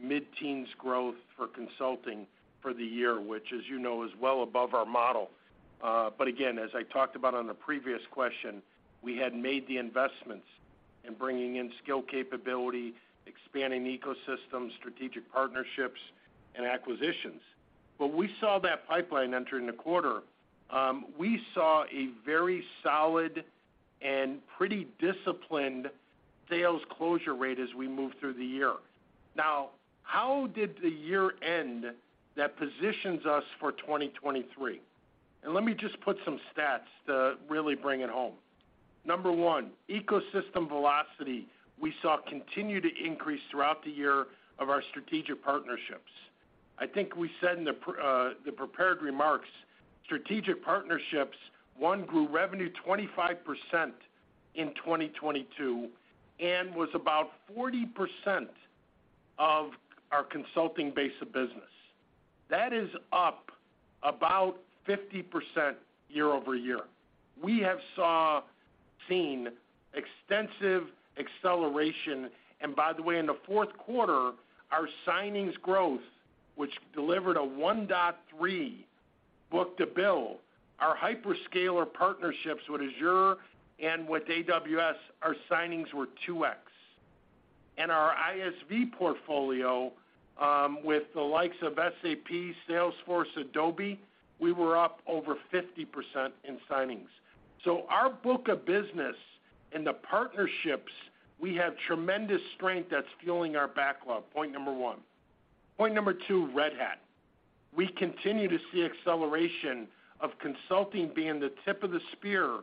mid-teens growth for IBM Consulting for the year, which, as you know, is well above our model. Again, as I talked about on the previous question, we had made the investments in bringing in skill capability, expanding ecosystems, strategic partnerships, and acquisitions. We saw that pipeline entering the quarter. We saw a very solid and pretty disciplined sales closure rate as we moved through the year. How did the year end that positions us for 2023? Let me just put some stats to really bring it home. Number one, ecosystem velocity we saw continue to increase throughout the year of our strategic partnerships. I think we said in the prepared remarks, strategic partnerships, one, grew revenue 25% in 2022 and was about 40% of our consulting base of business. That is up about 50% year-over-year. We have seen extensive acceleration. In the fourth quarter, our signings growth, which delivered a 1.3 book-to-bill, our hyperscaler partnerships with Azure and with AWS, our signings were 2x. Our ISV portfolio, with the likes of SAP, Salesforce, Adobe, we were up over 50% in signings. Our book of business and the partnerships, we have tremendous strength that's fueling our backlog, point number one. Point number two, Red Hat. We continue to see acceleration of consulting being the tip of the spear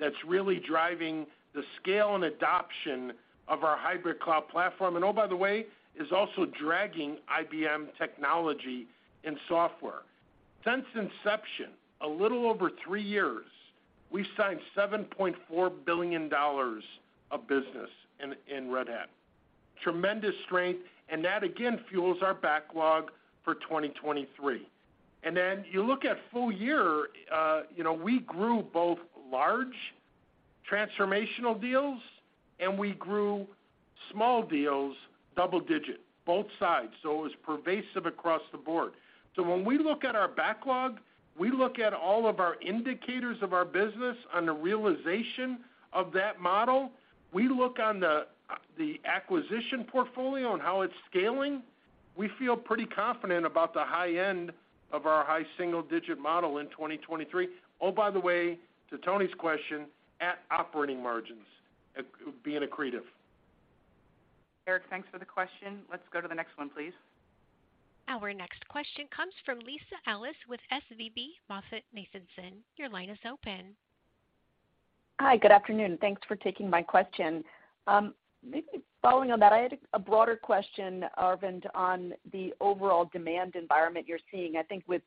that's really driving the scale and adoption of our hybrid cloud platform. Oh, by the way, is also dragging IBM technology in software. Since inception, a little over 3 years, we've signed $7.4 billion of business in Red Hat. Tremendous strength, that, again, fuels our backlog for 2023. You look at full year, you know, we grew both large transformational deals and we grew small deals double-digit, both sides. It was pervasive across the board. When we look at our backlog, we look at all of our indicators of our business on the realization of that model, we look on the acquisition portfolio and how it's scaling, we feel pretty confident about the high end of our high single-digit model in 2023. Oh, by the way, to Toni's question, at operating margins, at being accretive. Erik, thanks for the question. Let's go to the next one, please. Our next question comes from Lisa Ellis with SVB MoffettNathanson. Your line is open. Hi. Good afternoon. Thanks for taking my question. Maybe following on that, I had a broader question, Arvind, on the overall demand environment you're seeing. I think with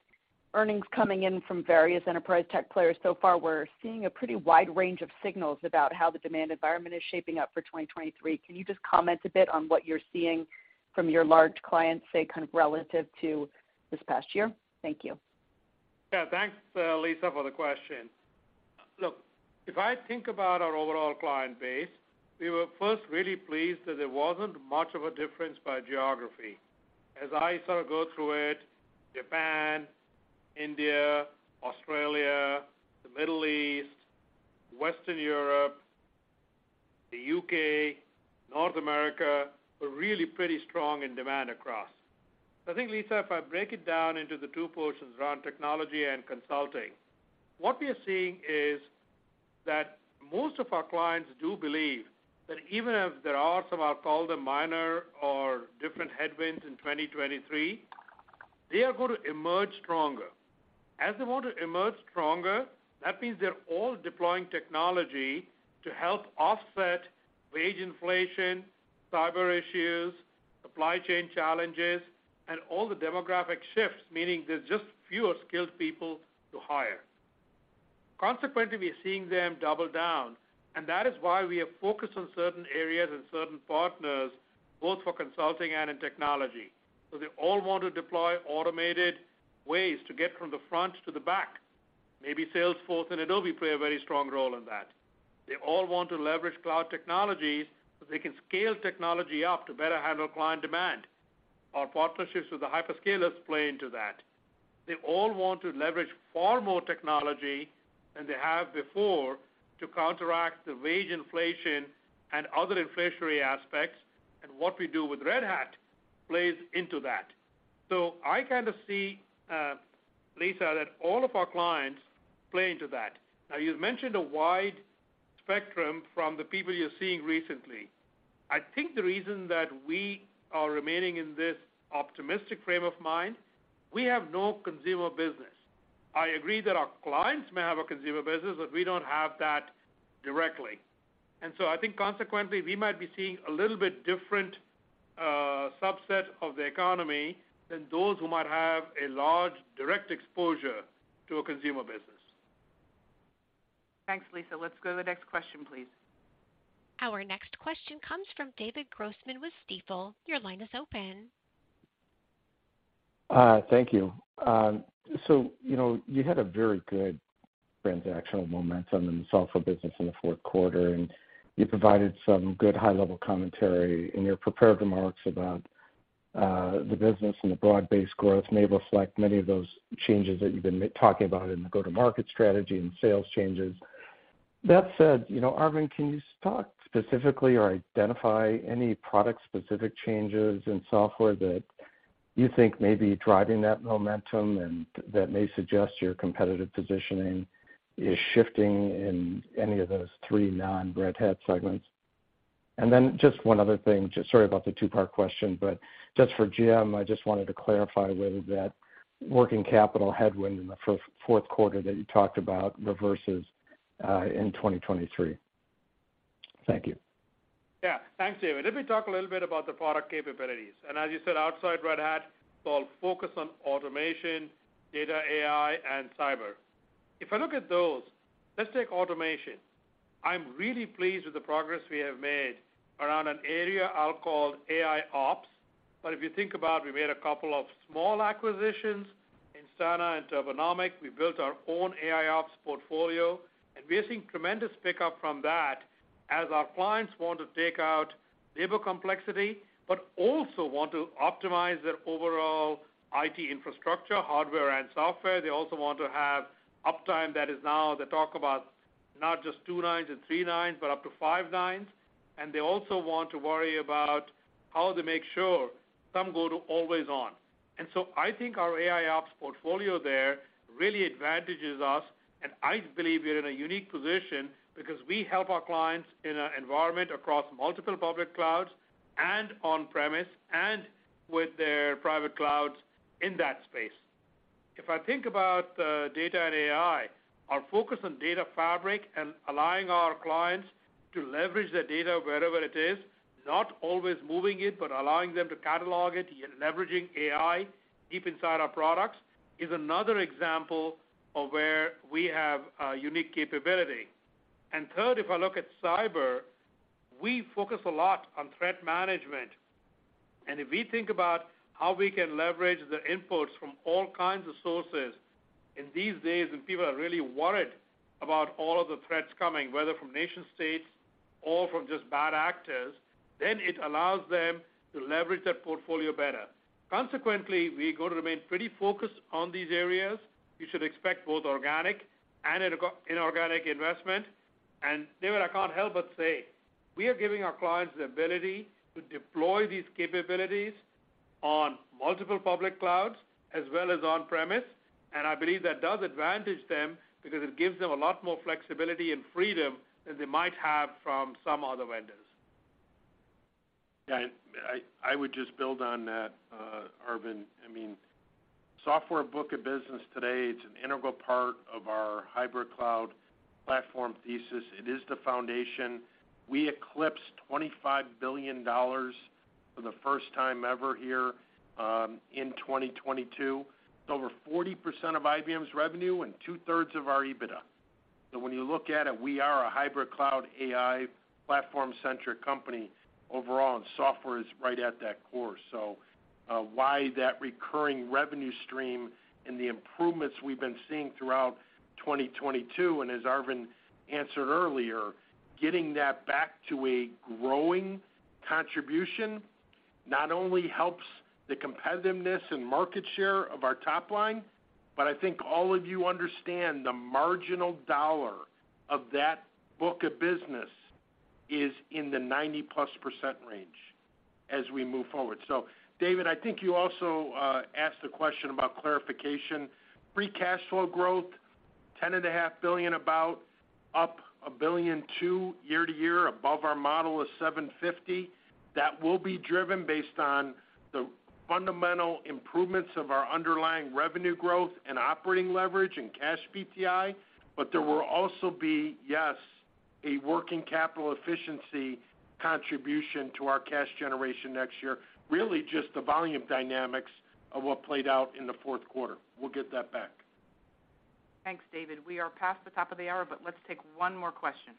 earnings coming in from various enterprise tech players so far, we're seeing a pretty wide range of signals about how the demand environment is shaping up for 2023. Can you just comment a bit on what you're seeing from your large clients, say, kind of relative to this past year? Thank you. Yeah, thanks, Lisa, for the question. If I think about our overall client base, we were first really pleased that there wasn't much of a difference by geography. I sort of go through it, Japan, India, Australia, the Middle East, Western Europe, the U.K., North America, were really pretty strong in demand across. I think, Lisa, if I break it down into the two portions around technology and consulting, what we are seeing is that most of our clients do believe that even if there are some, I'll call them, minor or different headwinds in 2023, they are gonna emerge stronger. They want to emerge stronger, that means they're all deploying technology to help offset wage inflation, cyber issues, supply chain challenges, and all the demographic shifts, meaning there's just fewer skilled people to hire. Consequently, we are seeing them double down, and that is why we are focused on certain areas and certain partners, both for consulting and in technology. They all want to deploy automated ways to get from the front to the back. Maybe Salesforce and Adobe play a very strong role in that. They all want to leverage cloud technologies so they can scale technology up to better handle client demand. Our partnerships with the hyperscalers play into that. They all want to leverage far more technology than they have before to counteract the wage inflation and other inflationary aspects, and what we do with Red Hat plays into that. I kind of see, Lisa, that all of our clients play into that. Now, you've mentioned a wide spectrum from the people you're seeing recently. I think the reason that we are remaining in this optimistic frame of mind, we have no consumer business. I agree that our clients may have a consumer business, but we don't have that directly. I think consequently, we might be seeing a little bit different subset of the economy than those who might have a large direct exposure to a consumer business. Thanks, Lisa. Let's go to the next question, please. Our next question comes from David Grossman with Stifel. Your line is open. Thank you. You know, you had a very good transactional momentum in the software business in the fourth quarter, and you provided some good high-level commentary in your prepared remarks about the business and the broad-based growth may reflect many of those changes that you've been talking about in the go-to-market strategy and sales changes. That said, you know, Arvind, can you talk specifically or identify any product-specific changes in software that you think may be driving that momentum and that may suggest your competitive positioning is shifting in any of those three non-Red Hat segments? Just one other thing. Just sorry about the two-part question, but just for Jim, I just wanted to clarify whether that working capital headwind in the fourth quarter that you talked about reverses in 2023. Thank you. Yeah. Thanks, David. As you said, outside Red Hat, it's all focused on automation, data, AI, and cyber. If I look at those, let's take automation. I'm really pleased with the progress we have made around an area I'll call AIOps. If you think about we made a couple of small acquisitions, Instana and Turbonomic. We built our own AIOps portfolio, we are seeing tremendous pickup from that as our clients want to take out labor complexity, also want to optimize their overall IT infrastructure, hardware and software. They also want to have uptime that is now they talk about not just 2 nines and 3 nines, but up to 5 nines. They also want to worry about how they make sure some go to always on. I think our AIOps portfolio there really advantages us. I believe we're in a unique position because we help our clients in an environment across multiple public clouds and on-premise, and with their private clouds in that space. I think about data and AI, our focus on data fabric and allowing our clients to leverage their data wherever it is, not always moving it, but allowing them to catalog it, leveraging AI deep inside our products is another example of where we have a unique capability. Third, if I look at cyber, we focus a lot on threat management. If we think about how we can leverage the inputs from all kinds of sources in these days when people are really worried about all of the threats coming, whether from nation-states or from just bad actors, then it allows them to leverage that portfolio better. Consequently, we're gonna remain pretty focused on these areas. You should expect both organic and inorganic investment. David, I can't help but say, we are giving our clients the ability to deploy these capabilities on multiple public clouds as well as on-premise, and I believe that does advantage them because it gives them a lot more flexibility and freedom than they might have from some other vendors. Yeah, I would just build on that, Arvind. I mean, software book of business today, it's an integral part of our hybrid cloud platform thesis. It is the foundation. We eclipsed $25 billion for the first time ever here, in 2022. It's over 40% of IBM's revenue and two-thirds of our EBITDA. When you look at it, we are a hybrid cloud AI platform-centric company overall, and software is right at that core. Why that recurring revenue stream and the improvements we've been seeing throughout 2022, and as Arvind answered earlier, getting that back to a growing contribution not only helps the competitiveness and market share of our top line, but I think all of you understand the marginal dollar of that book of business is in the 90-plus% range as we move forward. David, I think you also asked a question about clarification. Free cash flow growth, $10 and a half billion about, up $1.2 billion year-over-year, above our model is $750 million. That will be driven based on the fundamental improvements of our underlying revenue growth and operating leverage and cash PTI. There will also be, yes, a working capital efficiency contribution to our cash generation next year. Really, just the volume dynamics of what played out in the fourth quarter. We'll get that back. Thanks, David. We are past the top of the hour, but let's take one more question.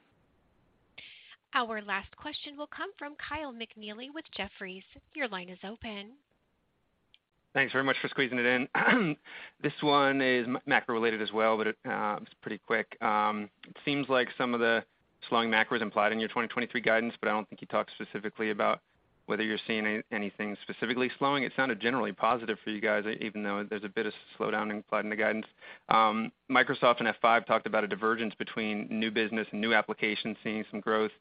Our last question will come from Kyle McNealy with Jefferies. Your line is open. Thanks very much for squeezing it in. This one is macro related as well, it is pretty quick. It seems like some of the slowing macro is implied in your 2023 guidance, I don't think you talked specifically about whether you're seeing anything specifically slowing. It sounded generally positive for you guys, even though there's a bit of slowdown implied in the guidance. Microsoft and F5 talked about a divergence between new business, new applications seeing some growth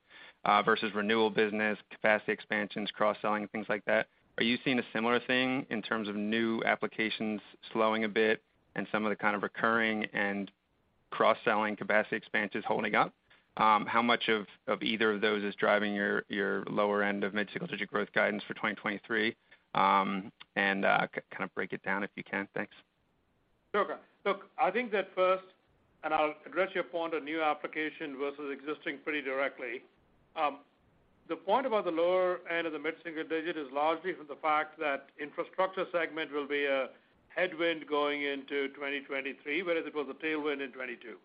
versus renewal business, capacity expansions, cross-selling, things like that. Are you seeing a similar thing in terms of new applications slowing a bit and some of the kind of recurring and cross-selling capacity expansions holding up? How much of either of those is driving your lower end of mid-single-digit growth guidance for 2023? kind of break it down if you can. Thanks. Sure. Look, I think that first, I'll address your point on new application versus existing pretty directly. The point about the lower end of the mid-single digit is largely from the fact that infrastructure segment will be a headwind going into 2023, whereas it was a tailwind in 2022.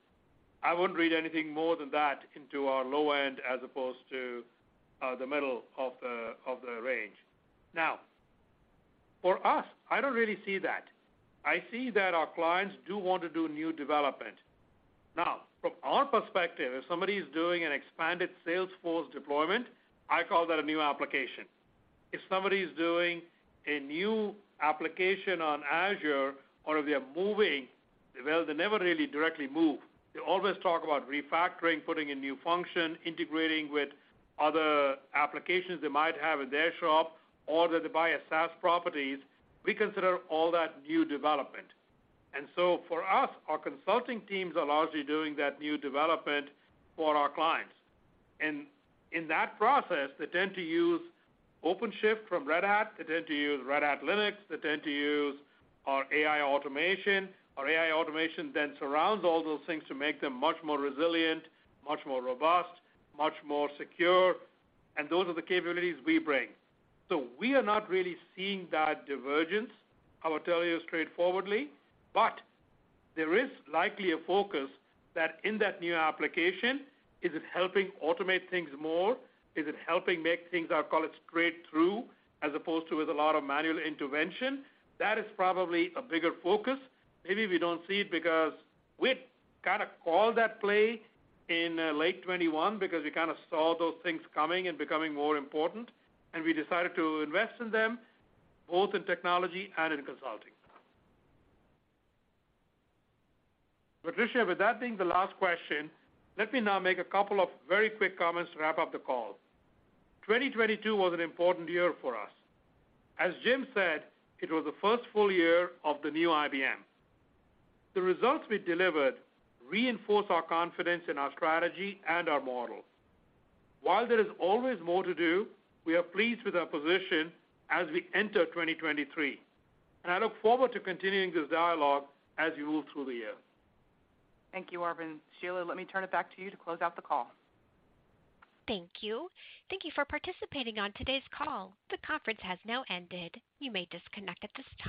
I wouldn't read anything more than that into our low end as opposed to the middle of the range. For us, I don't really see that. I see that our clients do want to do new development. From our perspective, if somebody's doing an expanded Salesforce deployment, I call that a new application. If somebody's doing a new application on Azure or if they're moving, well, they never really directly move. They always talk about refactoring, putting in new function, integrating with other applications they might have in their shop, or that they buy a SaaS properties. We consider all that new development. For us, our consulting teams are largely doing that new development for our clients. In that process, they tend to use OpenShift from Red Hat, they tend to use Red Hat Linux, they tend to use our AI automation. Our AI automation then surrounds all those things to make them much more resilient, much more robust, much more secure, and those are the capabilities we bring. We are not really seeing that divergence, I will tell you straightforwardly. There is likely a focus that in that new application, is it helping automate things more? Is it helping make things, I'll call it, straight through as opposed to with a lot of manual intervention? That is probably a bigger focus. Maybe we don't see it because we'd kinda called that play in late 2021 because we kinda saw those things coming and becoming more important. We decided to invest in them, both in technology and in consulting. Patricia, with that being the last question, let me now make a couple of very quick comments to wrap up the call. 2022 was an important year for us. As Jim said, it was the first full year of the new IBM. The results we delivered reinforce our confidence in our strategy and our model. While there is always more to do, we are pleased with our position as we enter 2023. I look forward to continuing this dialogue as you move through the year. Thank you, Arvind. Sheila, let me turn it back to you to close out the call. Thank you. Thank you for participating on today's call. The conference has now ended. You may disconnect at this time.